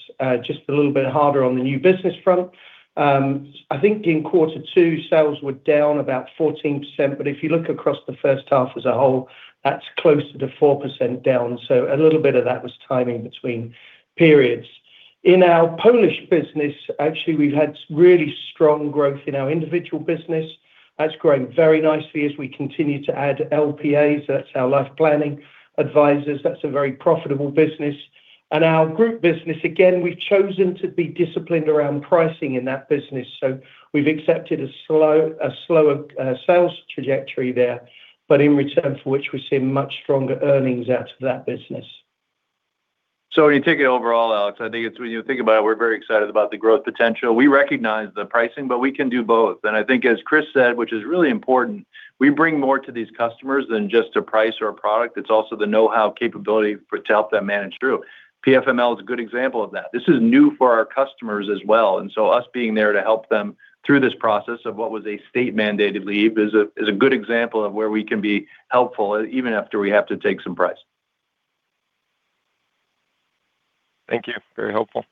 just a little bit harder on the new business front. I think in quarter two, sales were down about 14%, if you look across the first half as a whole, that's closer to 4% down. A little bit of that was timing between periods. In our Polish business, actually, we've had really strong growth in our individual business. That's growing very nicely as we continue to add LPAs, that's our life planning advisors. That's a very profitable business. Our group business, again, we've chosen to be disciplined around pricing in that business. We've accepted a slower sales trajectory there, in return for which we're seeing much stronger earnings out of that business. When you take it overall, Alex, I think when you think about it, we're very excited about the growth potential. We recognize the pricing, we can do both. I think as Chris said, which is really important, we bring more to these customers than just a price or a product. It's also the know-how capability to help them manage through. PFML is a good example of that. This is new for our customers as well, us being there to help them through this process of what was a state-mandated leave is a good example of where we can be helpful, even after we have to take some price. Thank you. Very helpful.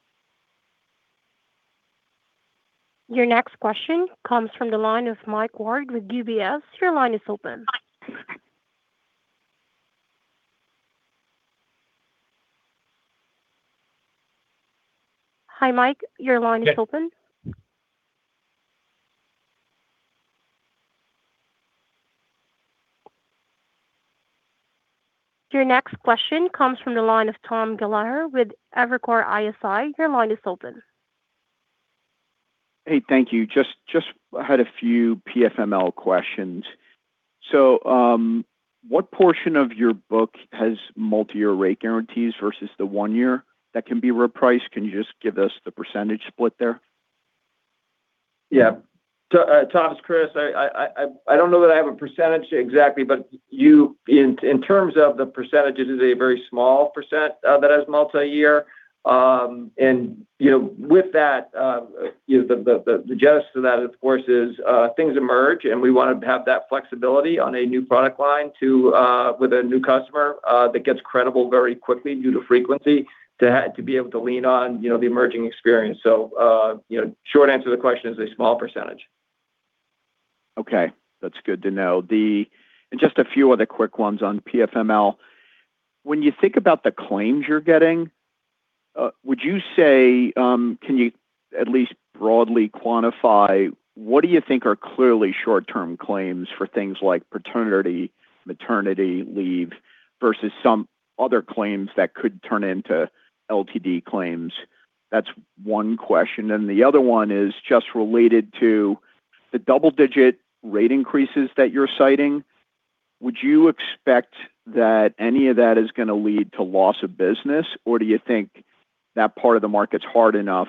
Your next question comes from the line of Mike Ward with UBS. Your line is open. Hi, Mike. Your line is open. Yes. Your next question comes from the line of Thomas Gallagher with Evercore ISI. Your line is open. Hey, thank you. Just had a few PFML questions. What portion of your book has multi-year rate guarantees versus the one year that can be repriced? Can you just give us the percentage split there? Yeah. Tom, it's Chris. I don't know that I have a percentage exactly, but in terms of the percentages, it's a very small percent that has multi-year. With that, the gist of that, of course, is things emerge, and we want to have that flexibility on a new product line with a new customer that gets credible very quickly due to frequency to be able to lean on the emerging experience. Short answer to the question is a small percentage. Okay. That's good to know. Just a few other quick ones on PFML. When you think about the claims you're getting, can you at least broadly quantify what do you think are clearly short-term claims for things like paternity, maternity leave versus some other claims that could turn into LTD claims? That's one question. The other one is just related to the double-digit rate increases that you're citing. Would you expect that any of that is going to lead to loss of business, or do you think that part of the market's hard enough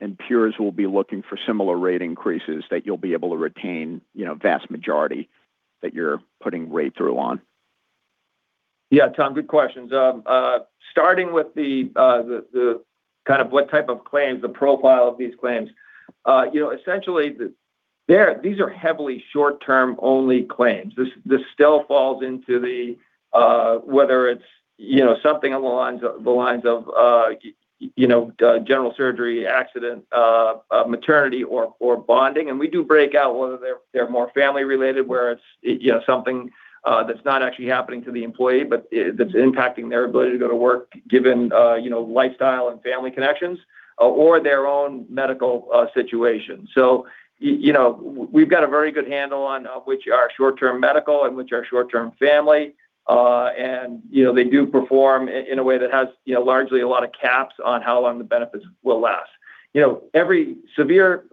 and peers will be looking for similar rate increases that you'll be able to retain vast majority that you're putting rate through on? Yeah, Thomas, good questions. Starting with what type of claims, the profile of these claims. Essentially, these are heavily short-term only claims. This still falls into whether it's something along the lines of general surgery, accident, maternity or bonding. We do break out whether they're more family related, where it's something that's not actually happening to the employee, but that's impacting their ability to go to work given lifestyle and family connections or their own medical situation. We've got a very good handle on which are short-term medical and which are short-term family. They do perform in a way that has largely a lot of caps on how long the benefits will last. Every severe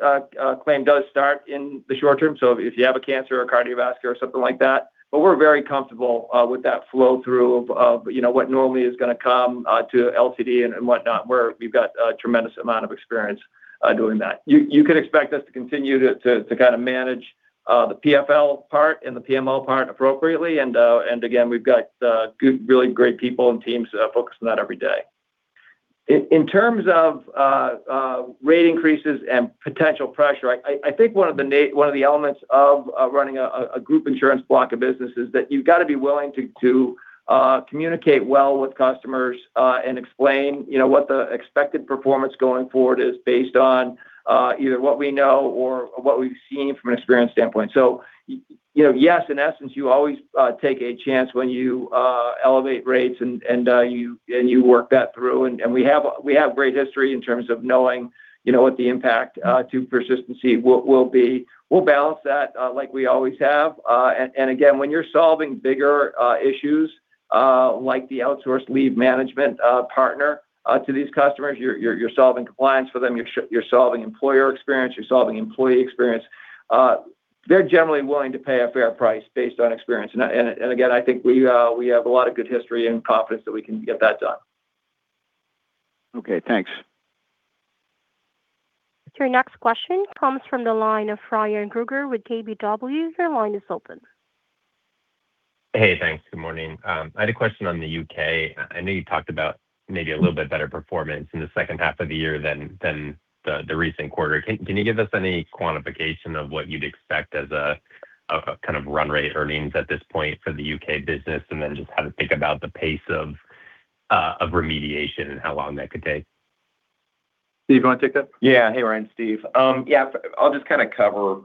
claim does start in the short term, so if you have a cancer or cardiovascular or something like that. We're very comfortable with that flow-through of what normally is going to come to LTD and whatnot, where we've got a tremendous amount of experience doing that. You can expect us to continue to manage the PFL part and the PML part appropriately. Again, we've got really great people and teams focused on that every day. In terms of rate increases and potential pressure, I think one of the elements of running a group insurance block of business is that you've got to be willing to communicate well with customers, and explain what the expected performance going forward is based on either what we know or what we've seen from an experience standpoint. Yes, in essence, you always take a chance when you elevate rates and you work that through, and we have great history in terms of knowing what the impact to persistency will be. We'll balance that like we always have. Again, when you're solving bigger issues, like the outsourced leave management partner to these customers, you're solving compliance for them, you're solving employer experience, you're solving employee experience. They're generally willing to pay a fair price based on experience. Again, I think we have a lot of good history and confidence that we can get that done. Okay, thanks. Your next question comes from the line of Ryan Krueger with KBW. Your line is open. Hey, thanks. Good morning. I had a question on the U.K.. I know you talked about maybe a little bit better performance in the second half of the year than the recent quarter. Can you give us any quantification of what you'd expect as a kind of run rate earnings at this point for the U.K. business? Then just how to think about the pace of remediation and how long that could take? Steve, you want to take that? Yeah. Hey, Ryan. Steve. Yeah. I'll just kind of cover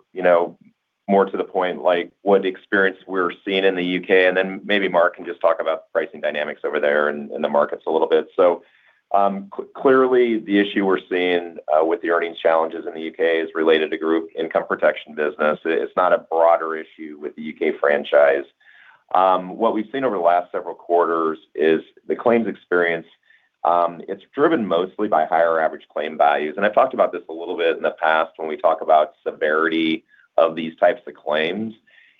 more to the point like what experience we're seeing in the U.K., and then maybe Mark can just talk about pricing dynamics over there and the markets a little bit. Clearly the issue we're seeing with the earnings challenges in the U.K. is related to group income protection business. It's not a broader issue with the U.K. franchise. What we've seen over the last several quarters is the claims experience. It's driven mostly by higher average claim values, and I talked about this a little bit in the past when we talk about severity of these types of claims.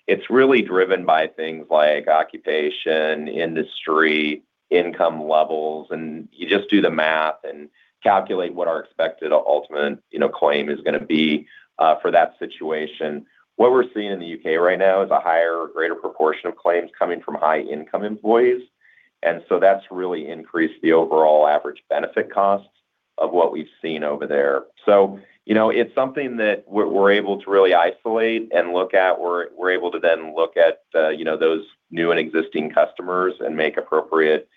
It's really driven by things like occupation, industry, income levels, and you just do the math and calculate what our expected ultimate claim is going to be for that situation. What we're seeing in the U.K. right now is a higher or greater proportion of claims coming from high-income employees, and so that's really increased the overall average benefit costs of what we've seen over there. It's something that we're able to really isolate and look at. We're able to then look at those new and existing customers and take appropriate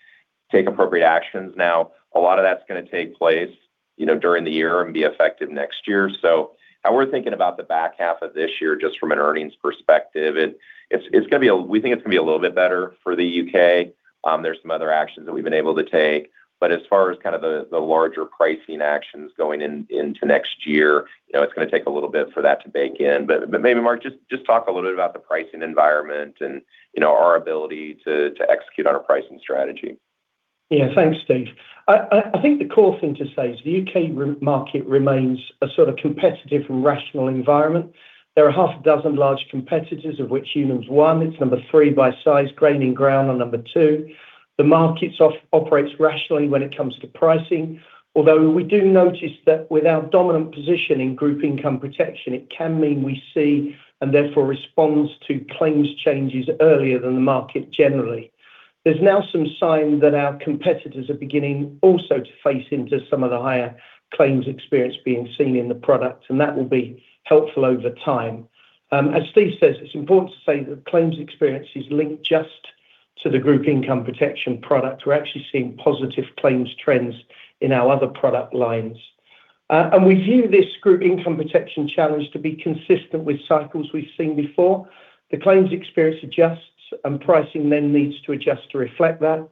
actions now. A lot of that's going to take place during the year and be effective next year. How we're thinking about the back half of this year, just from an earnings perspective, we think it's going to be a little bit better for the U.K.. There's some other actions that we've been able to take, but as far as kind of the larger pricing actions going into next year, it's going to take a little bit for that to bake in. Maybe, Mark, just talk a little bit about the pricing environment and our ability to execute on our pricing strategy. Yeah. Thanks, Steve. I think the core thing to say is the U.K. market remains a sort of competitive and rational environment. There are half a dozen large competitors, of which Unum's one. It's number 3 by size, gaining ground on number two. The market operates rationally when it comes to pricing. Although we do notice that with our dominant position in group income protection, it can mean we see, and therefore respond to claims changes earlier than the market generally. There's now some sign that our competitors are beginning also to face into some of the higher claims experience being seen in the product, and that will be helpful over time. As Steve says, it's important to say that claims experience is linked just to the group income protection product. We're actually seeing positive claims trends in our other product lines. We view this group income protection challenge to be consistent with cycles we've seen before. The claims experience adjusts, and pricing then needs to adjust to reflect that.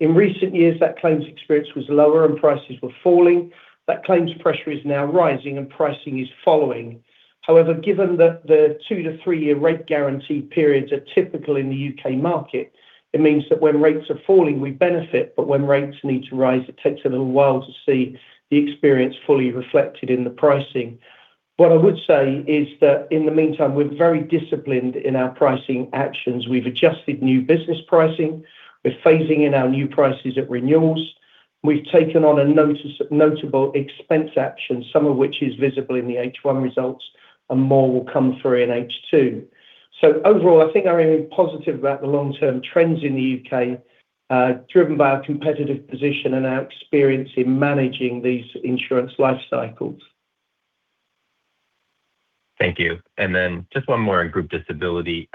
In recent years, that claims experience was lower and prices were falling. That claims pressure is now rising, and pricing is following. However, given that the two to three-year rate guarantee periods are typical in the U.K. market, it means that when rates are falling, we benefit. When rates need to rise, it takes a little while to see the experience fully reflected in the pricing. What I would say is that in the meantime, we're very disciplined in our pricing actions. We've adjusted new business pricing. We're phasing in our new prices at renewals. We've taken on a notable expense action, some of which is visible in the H1 results, and more will come through in H2. Overall, I think I remain positive about the long-term trends in the U.K., driven by our competitive position and our experience in managing these insurance life cycles. Thank you. Then just one more on group disability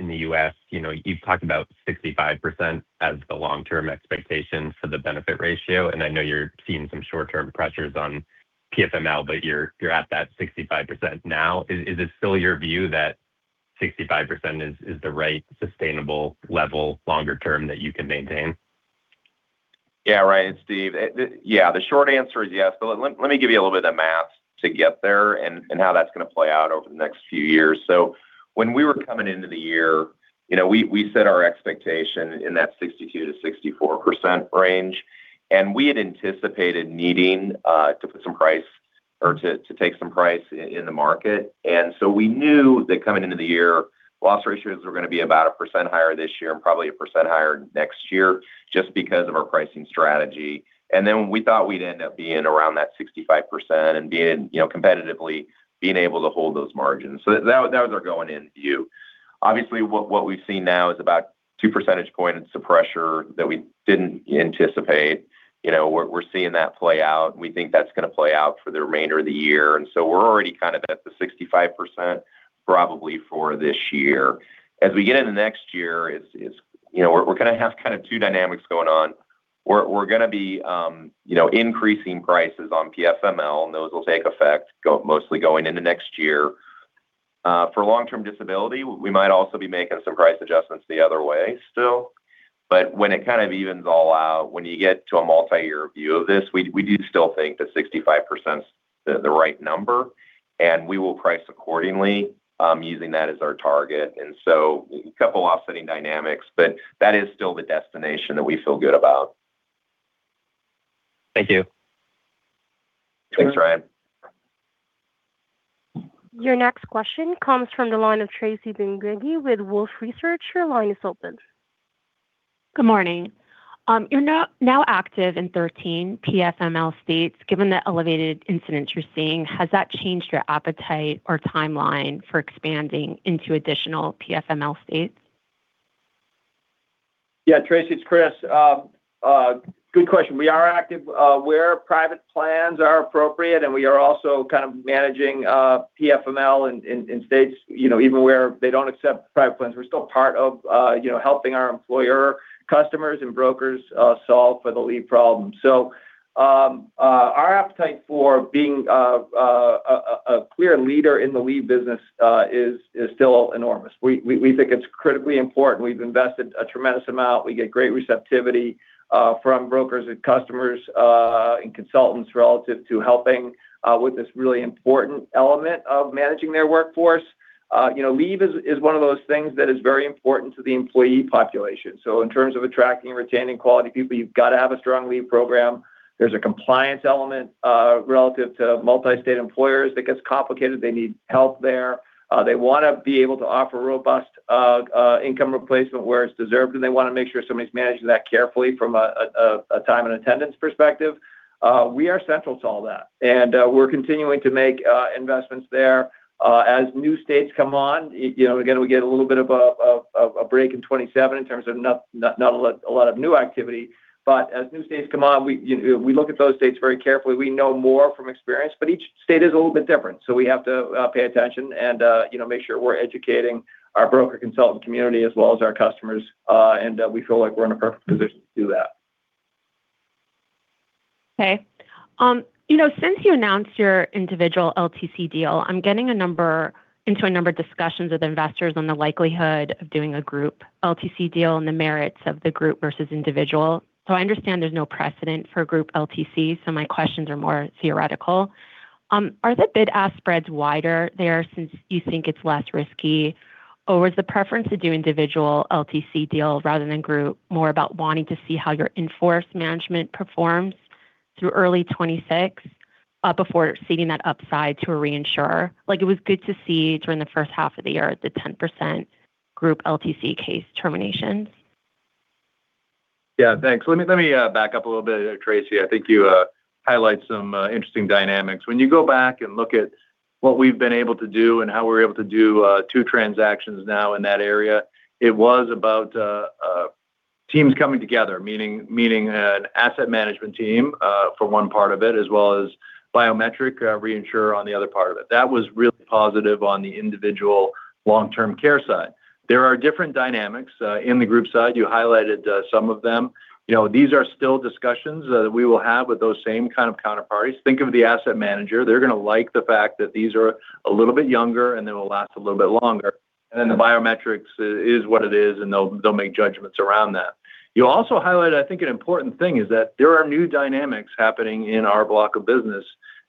in the U.S.. You've talked about 65% as the long-term expectation for the benefit ratio, and I know you're seeing some short-term pressures on PFML, but you're at that 65% now. Is it still your view that 65% is the right sustainable level longer term that you can maintain? Yeah, Ryan. Its's Steve. Yeah. The short answer is yes, but let me give you a little bit of the math to get there and how that's going to play out over the next few years. When we were coming into the year, we set our expectation in that 62%-64% range, and we had anticipated needing to put some price or to take some price in the market. We knew that coming into the year, loss ratios were going to be about one percent higher this year and probably one percent higher next year just because of our pricing strategy. Then we thought we'd end up being around that 65% and competitively being able to hold those margins. That was our going-in view. Obviously, what we've seen now is about two percentage points of pressure that we didn't anticipate. We're seeing that play out, and we think that's going to play out for the remainder of the year. We're already kind of at the 65%, probably for this year. As we get into next year, we're going to have kind of two dynamics going on. We're going to be increasing prices on PFML, and those will take effect mostly going into next year. For long-term disability, we might also be making some price adjustments the other way still. When it kind of evens all out, when you get to a multi-year view of this, we do still think that 65%'s the right number, and we will price accordingly using that as our target. A couple offsetting dynamics, but that is still the destination that we feel good about. Thank you. Thanks, Ryan. Your next question comes from the line of Tracy Benguigui with Wolfe Research. Your line is open. Good morning. You're now active in 13 PFML states. Given the elevated incidence you're seeing, has that changed your appetite or timeline for expanding into additional PFML states? Tracy, it's Chris. Good question. We are active where private plans are appropriate, and we are also kind of managing PFML in states even where they don't accept private plans. We're still part of helping our employer customers and brokers solve for the leave problem. Our appetite for being a clear leader in the leave business is still enormous. We think it's critically important. We've invested a tremendous amount. We get great receptivity from brokers and customers, and consultants relative to helping with this really important element of managing their workforce. Leave is one of those things that is very important to the employee population. In terms of attracting and retaining quality people, you've got to have a strong leave program. There's a compliance element relative to multi-state employers that gets complicated. They need help there. They want to be able to offer robust income replacement where it's deserved, and they want to make sure somebody's managing that carefully from a time and attendance perspective. We are central to all that, and we're continuing to make investments there. As new states come on, again, we get a little bit of a break in 2027 in terms of not a lot of new activity. As new states come on, we look at those states very carefully. We know more from experience, but each state is a little bit different, we have to pay attention and make sure we're educating our broker consultant community as well as our customers. We feel like we're in a perfect position to do that. Okay. Since you announced your individual LTC deal, I'm getting into a number of discussions with investors on the likelihood of doing a group LTC deal and the merits of the group versus individual. I understand there's no precedent for group LTC, my questions are more theoretical. Are the bid-ask spreads wider there since you think it's less risky? Or is the preference to do individual LTC deals rather than group more about wanting to see how your in-force management performs through early 2026 before ceding that upside to a reinsurer? It was good to see during the first half of the year the 10% group LTC case terminations. Yeah, thanks. Let me back up a little bit, Tracy. I think you highlight some interesting dynamics. When you go back and look at what we've been able to do and how we're able to do two transactions now in that area, it was about teams coming together, meaning an asset management team for one part of it, as well as biometric reinsurer on the other part of it. That was really positive on the individual long-term care side. There are different dynamics in the group side. You highlighted some of them. These are still discussions that we will have with those same kind of counterparties. Think of the asset manager. They're going to like the fact that these are a little bit younger and they will last a little bit longer. Then the biometrics is what it is, and they'll make judgments around that. You also highlighted, I think an important thing is that there are new dynamics happening in our block of business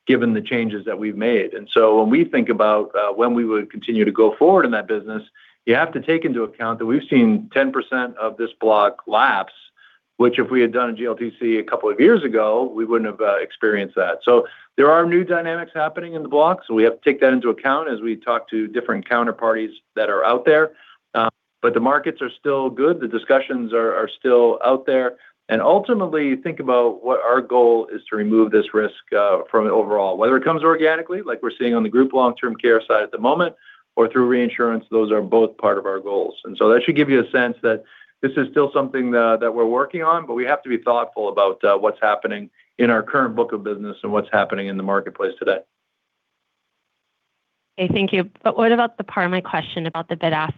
given the changes that we've made. When we think about when we would continue to go forward in that business, you have to take into account that we've seen 10% of this block lapse, which if we had done a GLTC a couple of years ago, we wouldn't have experienced that. There are new dynamics happening in the block, so we have to take that into account as we talk to different counterparties that are out there. The markets are still good. The discussions are still out there. Ultimately, think about what our goal is to remove this risk from it overall, whether it comes organically like we're seeing on the group long-term care side at the moment or through reinsurance. Those are both part of our goals, and so that should give you a sense that this is still something that we're working on, but we have to be thoughtful about what's happening in our current book of business and what's happening in the marketplace today. Okay, thank you. What about the part of my question about the bid-ask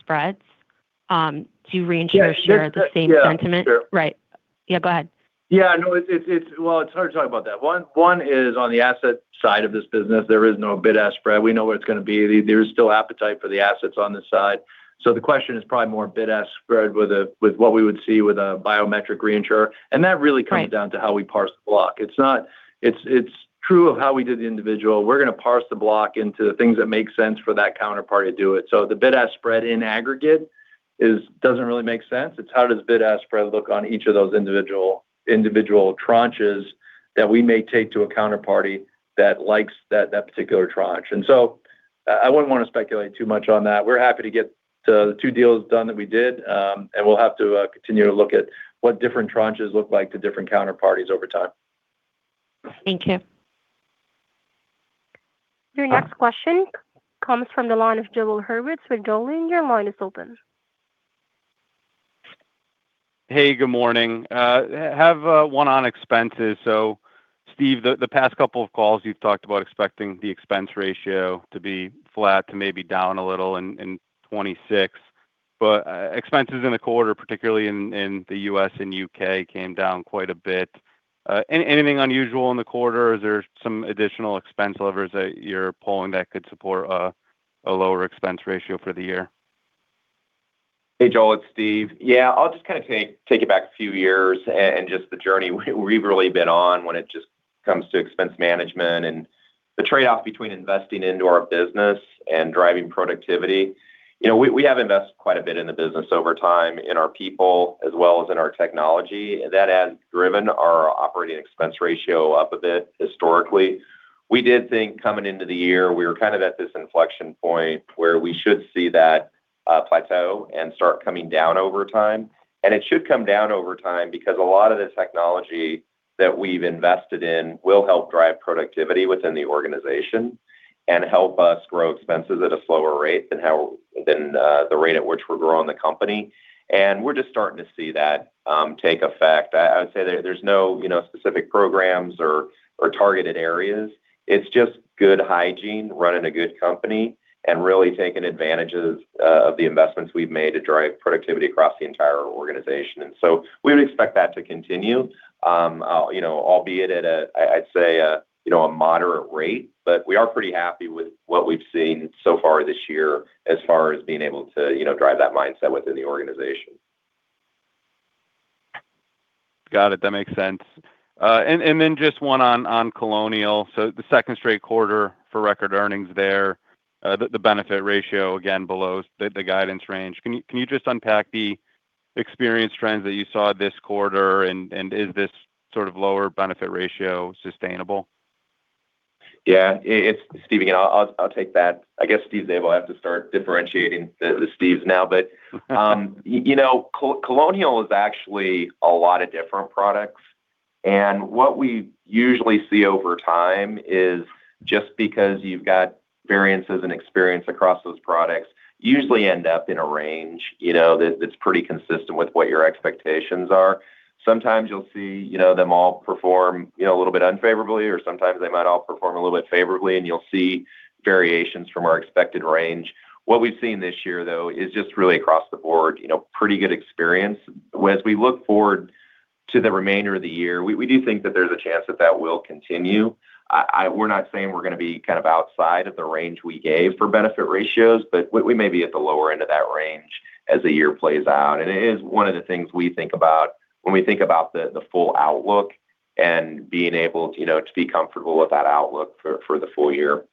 spreads? Do you reinsure share the same sentiment? Yeah. Sure. Right. Yeah, go ahead. Yeah, no, well, it's hard to talk about that. One is on the asset side of this business, there is no bid-ask spread. We know where it's going to be. There is still appetite for the assets on this side. The question is probably more bid-ask spread with what we would see with a biometric reinsurer. That really comes. Right down to how we parse the block. It's true of how we did the individual. We're going to parse the block into the things that make sense for that counterparty to do it. The bid-ask spread in aggregate doesn't really make sense. It's how does bid-ask spread look on each of those individual tranches that we may take to a counterparty that likes that particular tranche. I wouldn't want to speculate too much on that. We're happy to get the two deals done that we did. We'll have to continue to look at what different tranches look like to different counterparties over time. Thank you. Your next question comes from the line of Joel Hurwitz with Goldman. Your line is open. Hey, good morning. Have one on expenses. Steven, the past couple of calls, you've talked about expecting the expense ratio to be flat to maybe down a little in 2026. Expenses in the quarter, particularly in the U.S. and U.K., came down quite a bit. Anything unusual in the quarter? Is there some additional expense levers that you're pulling that could support a lower expense ratio for the year? Hey, Joel, it's SteveSteven. I'll just kind of take it back a few years and just the journey we've really been on when it just comes to expense management and the trade-off between investing into our business and driving productivity. We have invested quite a bit in the business over time, in our people as well as in our technology. That has driven our operating expense ratio up a bit historically. We did think coming into the year, we were kind of at this inflection point where we should see that plateau and start coming down over time, and it should come down over time because a lot of the technology that we've invested in will help drive productivity within the organization and help us grow expenses at a slower rate than the rate at which we're growing the company. We're just starting to see that take effect. I would say there's no specific programs or targeted areas. It's just good hygiene, running a good company, and really taking advantage of the investments we've made to drive productivity across the entire organization. We would expect that to continue, albeit at a, I'd say a moderate rate. We are pretty happy with what we've seen so far this year as far as being able to drive that mindset within the organization. Got it. That makes sense. Just one on Colonial Life. The second straight quarter for record earnings there, the benefit ratio, again, below the guidance range. Can you just unpack the experience trends that you saw this quarter? Is this sort of lower benefit ratio sustainable? Yeah. It's Steve again. I'll take that. I guess Steven Zabel will have to start differentiating the Steves now. Colonial Life is actually a lot of different products. What we usually see over time is just because you've got variances and experience across those products, you usually end up in a range that's pretty consistent with what your expectations are. Sometimes you'll see them all perform a little bit unfavorably, or sometimes they might all perform a little bit favorably, and you'll see variations from our expected range. What we've seen this year, though, is just really across the board pretty good experience. As we look forward to the remainder of the year, we do think that there's a chance that that will continue. We're not saying we're going to be kind of outside of the range we gave for benefit ratios, we may be at the lower end of that range as the year plays out. It is one of the things we think about when we think about the full outlook and being able to be comfortable with that outlook for the full year.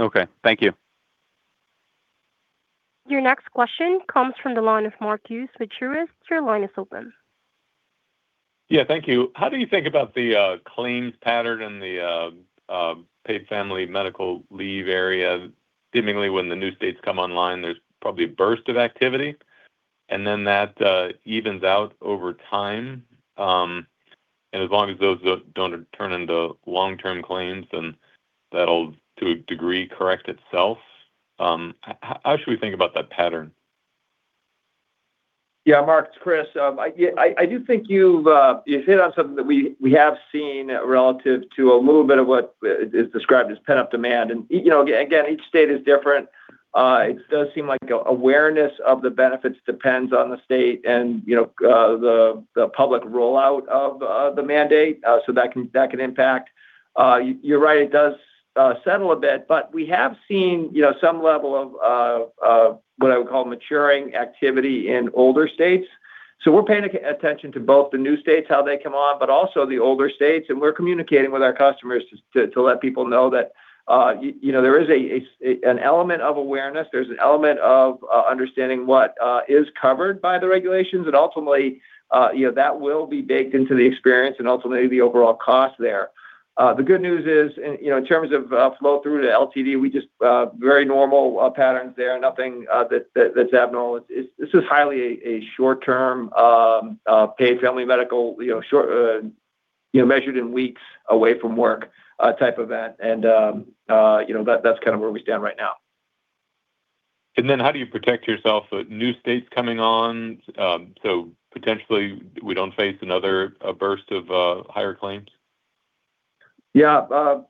Okay. Thank you. Your next question comes from the line of Mark Hughes with Truist Securities. Your line is open. Yeah. Thank you. How do you think about the claims pattern in the paid family medical leave area? Seemingly, when the new states come online, there's probably a burst of activity, and then that evens out over time. As long as those don't turn into long-term claims, then that'll, to a degree, correct itself. How should we think about that pattern? Yeah. Mark, it's Chris. I do think you've hit on something that we have seen relative to a little bit of what is described as pent-up demand. Again, each state is different. It does seem like awareness of the benefits depends on the state and the public rollout of the mandate, so that can impact. You're right, it does settle a bit, but we have seen some level of what I would call maturing activity in older states. We're paying attention to both the new states, how they come on, but also the older states, and we're communicating with our customers to let people know that there is an element of awareness. There's an element of understanding what is covered by the regulations, and ultimately, that will be baked into the experience and ultimately the overall cost there. The good news is, in terms of flow through to LTV. Very normal patterns there. Nothing that's abnormal. This is highly a short-term paid family medical, measured in weeks away from work type event, and that's kind of where we stand right now. How do you protect yourself with new states coming on, so potentially we don't face another burst of higher claims? Yeah.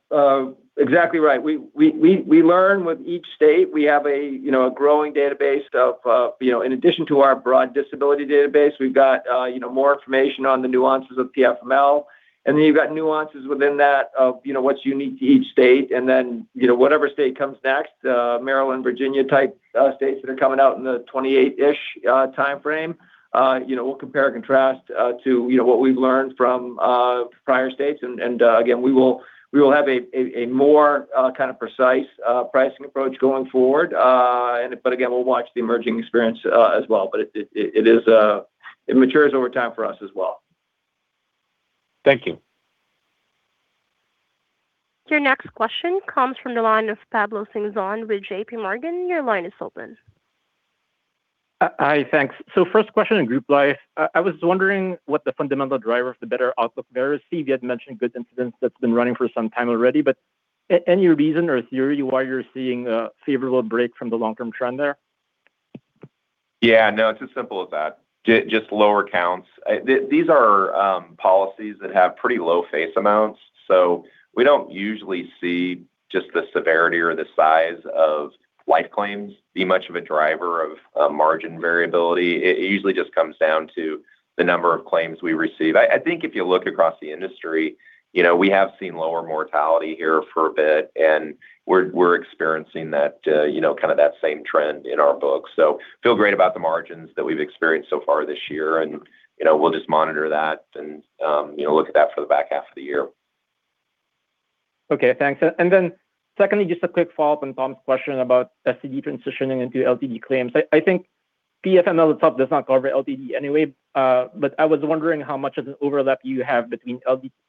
Exactly right. We learn with each state. We have a growing database of, in addition to our broad disability database, we've got more information on the nuances of PFML. You've got nuances within that of what's unique to each state. Whatever state comes next, Maryland, Virginia-type states that are coming out in the 2028-ish timeframe, we'll compare and contrast to what we've learned from prior states. We will have a more kind of precise pricing approach going forward. We'll watch the emerging experience as well. It matures over time for us as well. Thank you. Your next question comes from the line of Pablo Singzon with JPMorgan. Your line is open. Hi. Thanks. First question in Group Life. I was wondering what the fundamental driver of the better outlook there is. SteveSteve, you had mentioned good incidents that's been running for some time already, any reason or theory why you're seeing a favorable break from the long-term trend there? Yeah, no, it's as simple as that. Just lower counts. These are policies that have pretty low face amounts, we don't usually see just the severity or the size of life claims be much of a driver of margin variability. It usually just comes down to the number of claims we receive. I think if you look across the industry, we have seen lower mortality here for a bit, and we're experiencing kind of that same trend in our books. Feel great about the margins that we've experienced so far this year, and we'll just monitor that and look at that for the back half of the year. Okay, thanks. Secondly, just a quick follow-up on Thomas's question about STD transitioning into LTD claims. I think PFML itself does not cover LTD anyway. I was wondering how much of an overlap you have between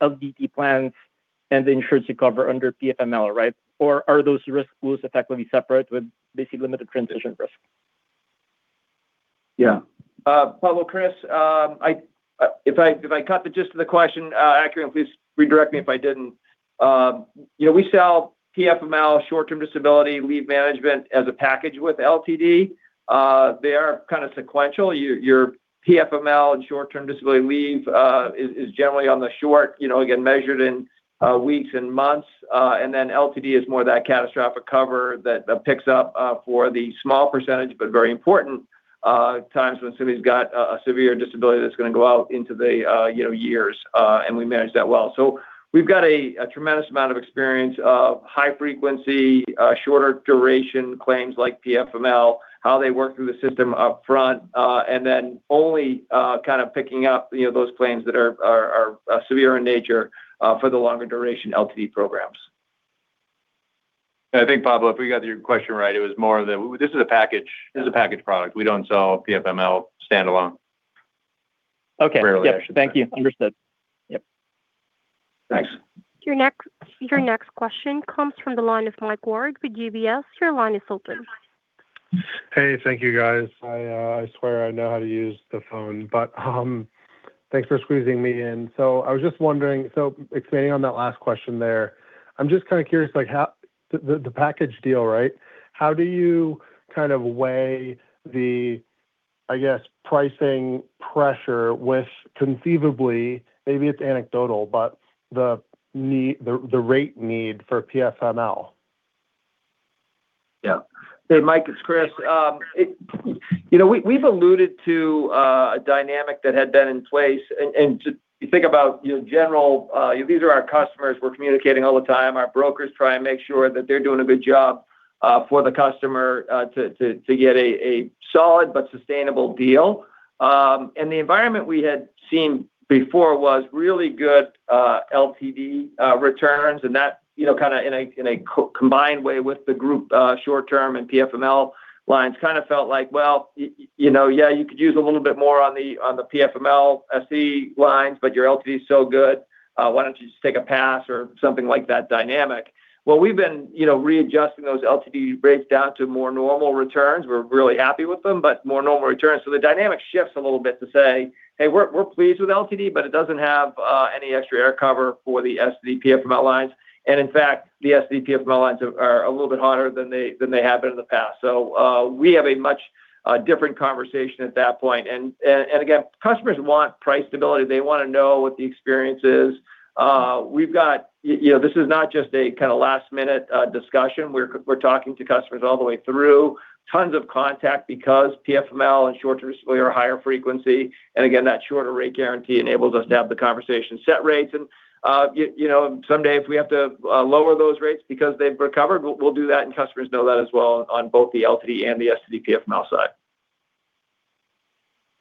LTD plans and the insurance you cover under PFML, right? Are those risk pools effectively separate with basically limited transition risk? Yeah. Pablo, Chris, if I caught the gist of the question accurately, please redirect me if I didn't. We sell PFML short-term disability leave management as a package with LTD. They are kind of sequential. Your PFML and short-term disability leave is generally on the short, again, measured in weeks and months. Then LTD is more that catastrophic cover that picks up for the small percentage, but very important times when somebody's got a severe disability that's going to go out into the years, and we manage that well. We've got a tremendous amount of experience of high frequency, shorter duration claims like PFML, how they work through the system up front, and then only kind of picking up those claims that are severe in nature for the longer duration LTD programs. I think, Pablo, if we got your question right, it was more of that this is a package product. We don't sell PFML standalone. Okay. Yep. Thank you. Understood. Yep. Thanks. Your next question comes from the line of Mike Ward with UBS. Your line is open. Hey. Thank you, guys. I swear I know how to use the phone, but thanks for squeezing me in. I was just wondering, expanding on that last question there, I'm just kind of curious, the package deal, right? How do you kind of weigh the, I guess, pricing pressure with conceivably, maybe it's anecdotal, but the rate need for PFML? Yeah. Hey, Mike, it's Chris. We've alluded to a dynamic that had been in place, you think about general, these are our customers. We're communicating all the time. Our brokers try and make sure that they're doing a good job for the customer to get a solid but sustainable deal. The environment we had seen before was really good LTD returns, that kind of in a combined way with the Group short term and PFML lines kind of felt like, well, yeah, you could use a little bit more on the PFML SE lines, but your LTD's so good, why don't you just take a pass or something like that dynamic. We've been readjusting those LTD rates down to more normal returns. We're really happy with them, but more normal returns. The dynamic shifts a little bit to say, hey, we're pleased with LTD, but it doesn't have any extra air cover for the SDPFML lines. In fact, the SDPFML lines are a little bit hotter than they have been in the past. We have a much different conversation at that point. Again, customers want price stability. They want to know what the experience is. This is not just a kind of last-minute discussion. We're talking to customers all the way through, tons of contact because PFML and STD are higher frequency. Again, that shorter rate guarantee enables us to have the conversation set rates. Someday, if we have to lower those rates because they've recovered, we'll do that, and customers know that as well on both the LTD and the SDPFML side.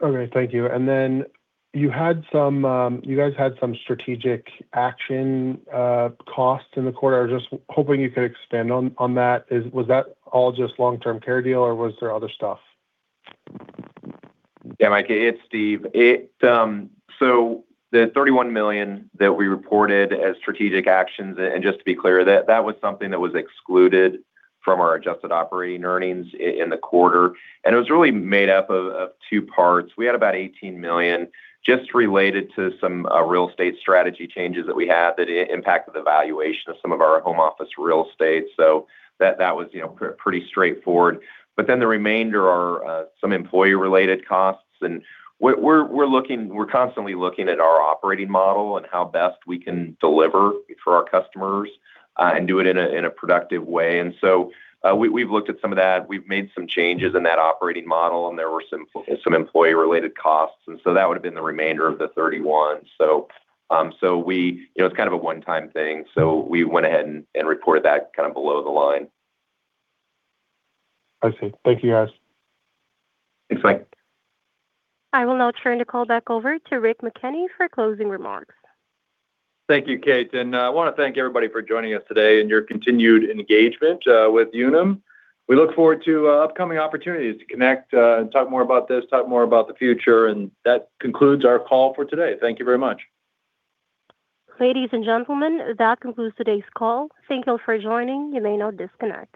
Okay, thank you. Then you guys had some strategic action costs in the quarter. I was just hoping you could expand on that. Was that all just long-term care deal, or was there other stuff? Mike, it's Steven. The $31 million that we reported as strategic actions, just to be clear, that was something that was excluded from our adjusted operating earnings in the quarter. It was really made up of two parts. We had about $18 million just related to some real estate strategy changes that we had that impacted the valuation of some of our home office real estate. That was pretty straightforward. The remainder are some employee-related costs. We're constantly looking at our operating model and how best we can deliver for our customers and do it in a productive way. We've looked at some of that. We've made some changes in that operating model, and there were some employee-related costs, that would have been the remainder of the $31. It's kind of a one-time thing, we went ahead and reported that kind of below the line. I see. Thank you, guys. Thanks, Mike. I will now turn the call back over to Rick McKenney for closing remarks. Thank you, Kate. I want to thank everybody for joining us today and your continued engagement with Unum. We look forward to upcoming opportunities to connect and talk more about this, talk more about the future. That concludes our call for today. Thank you very much. Ladies and gentlemen, that concludes today's call. Thank you for joining. You may now disconnect.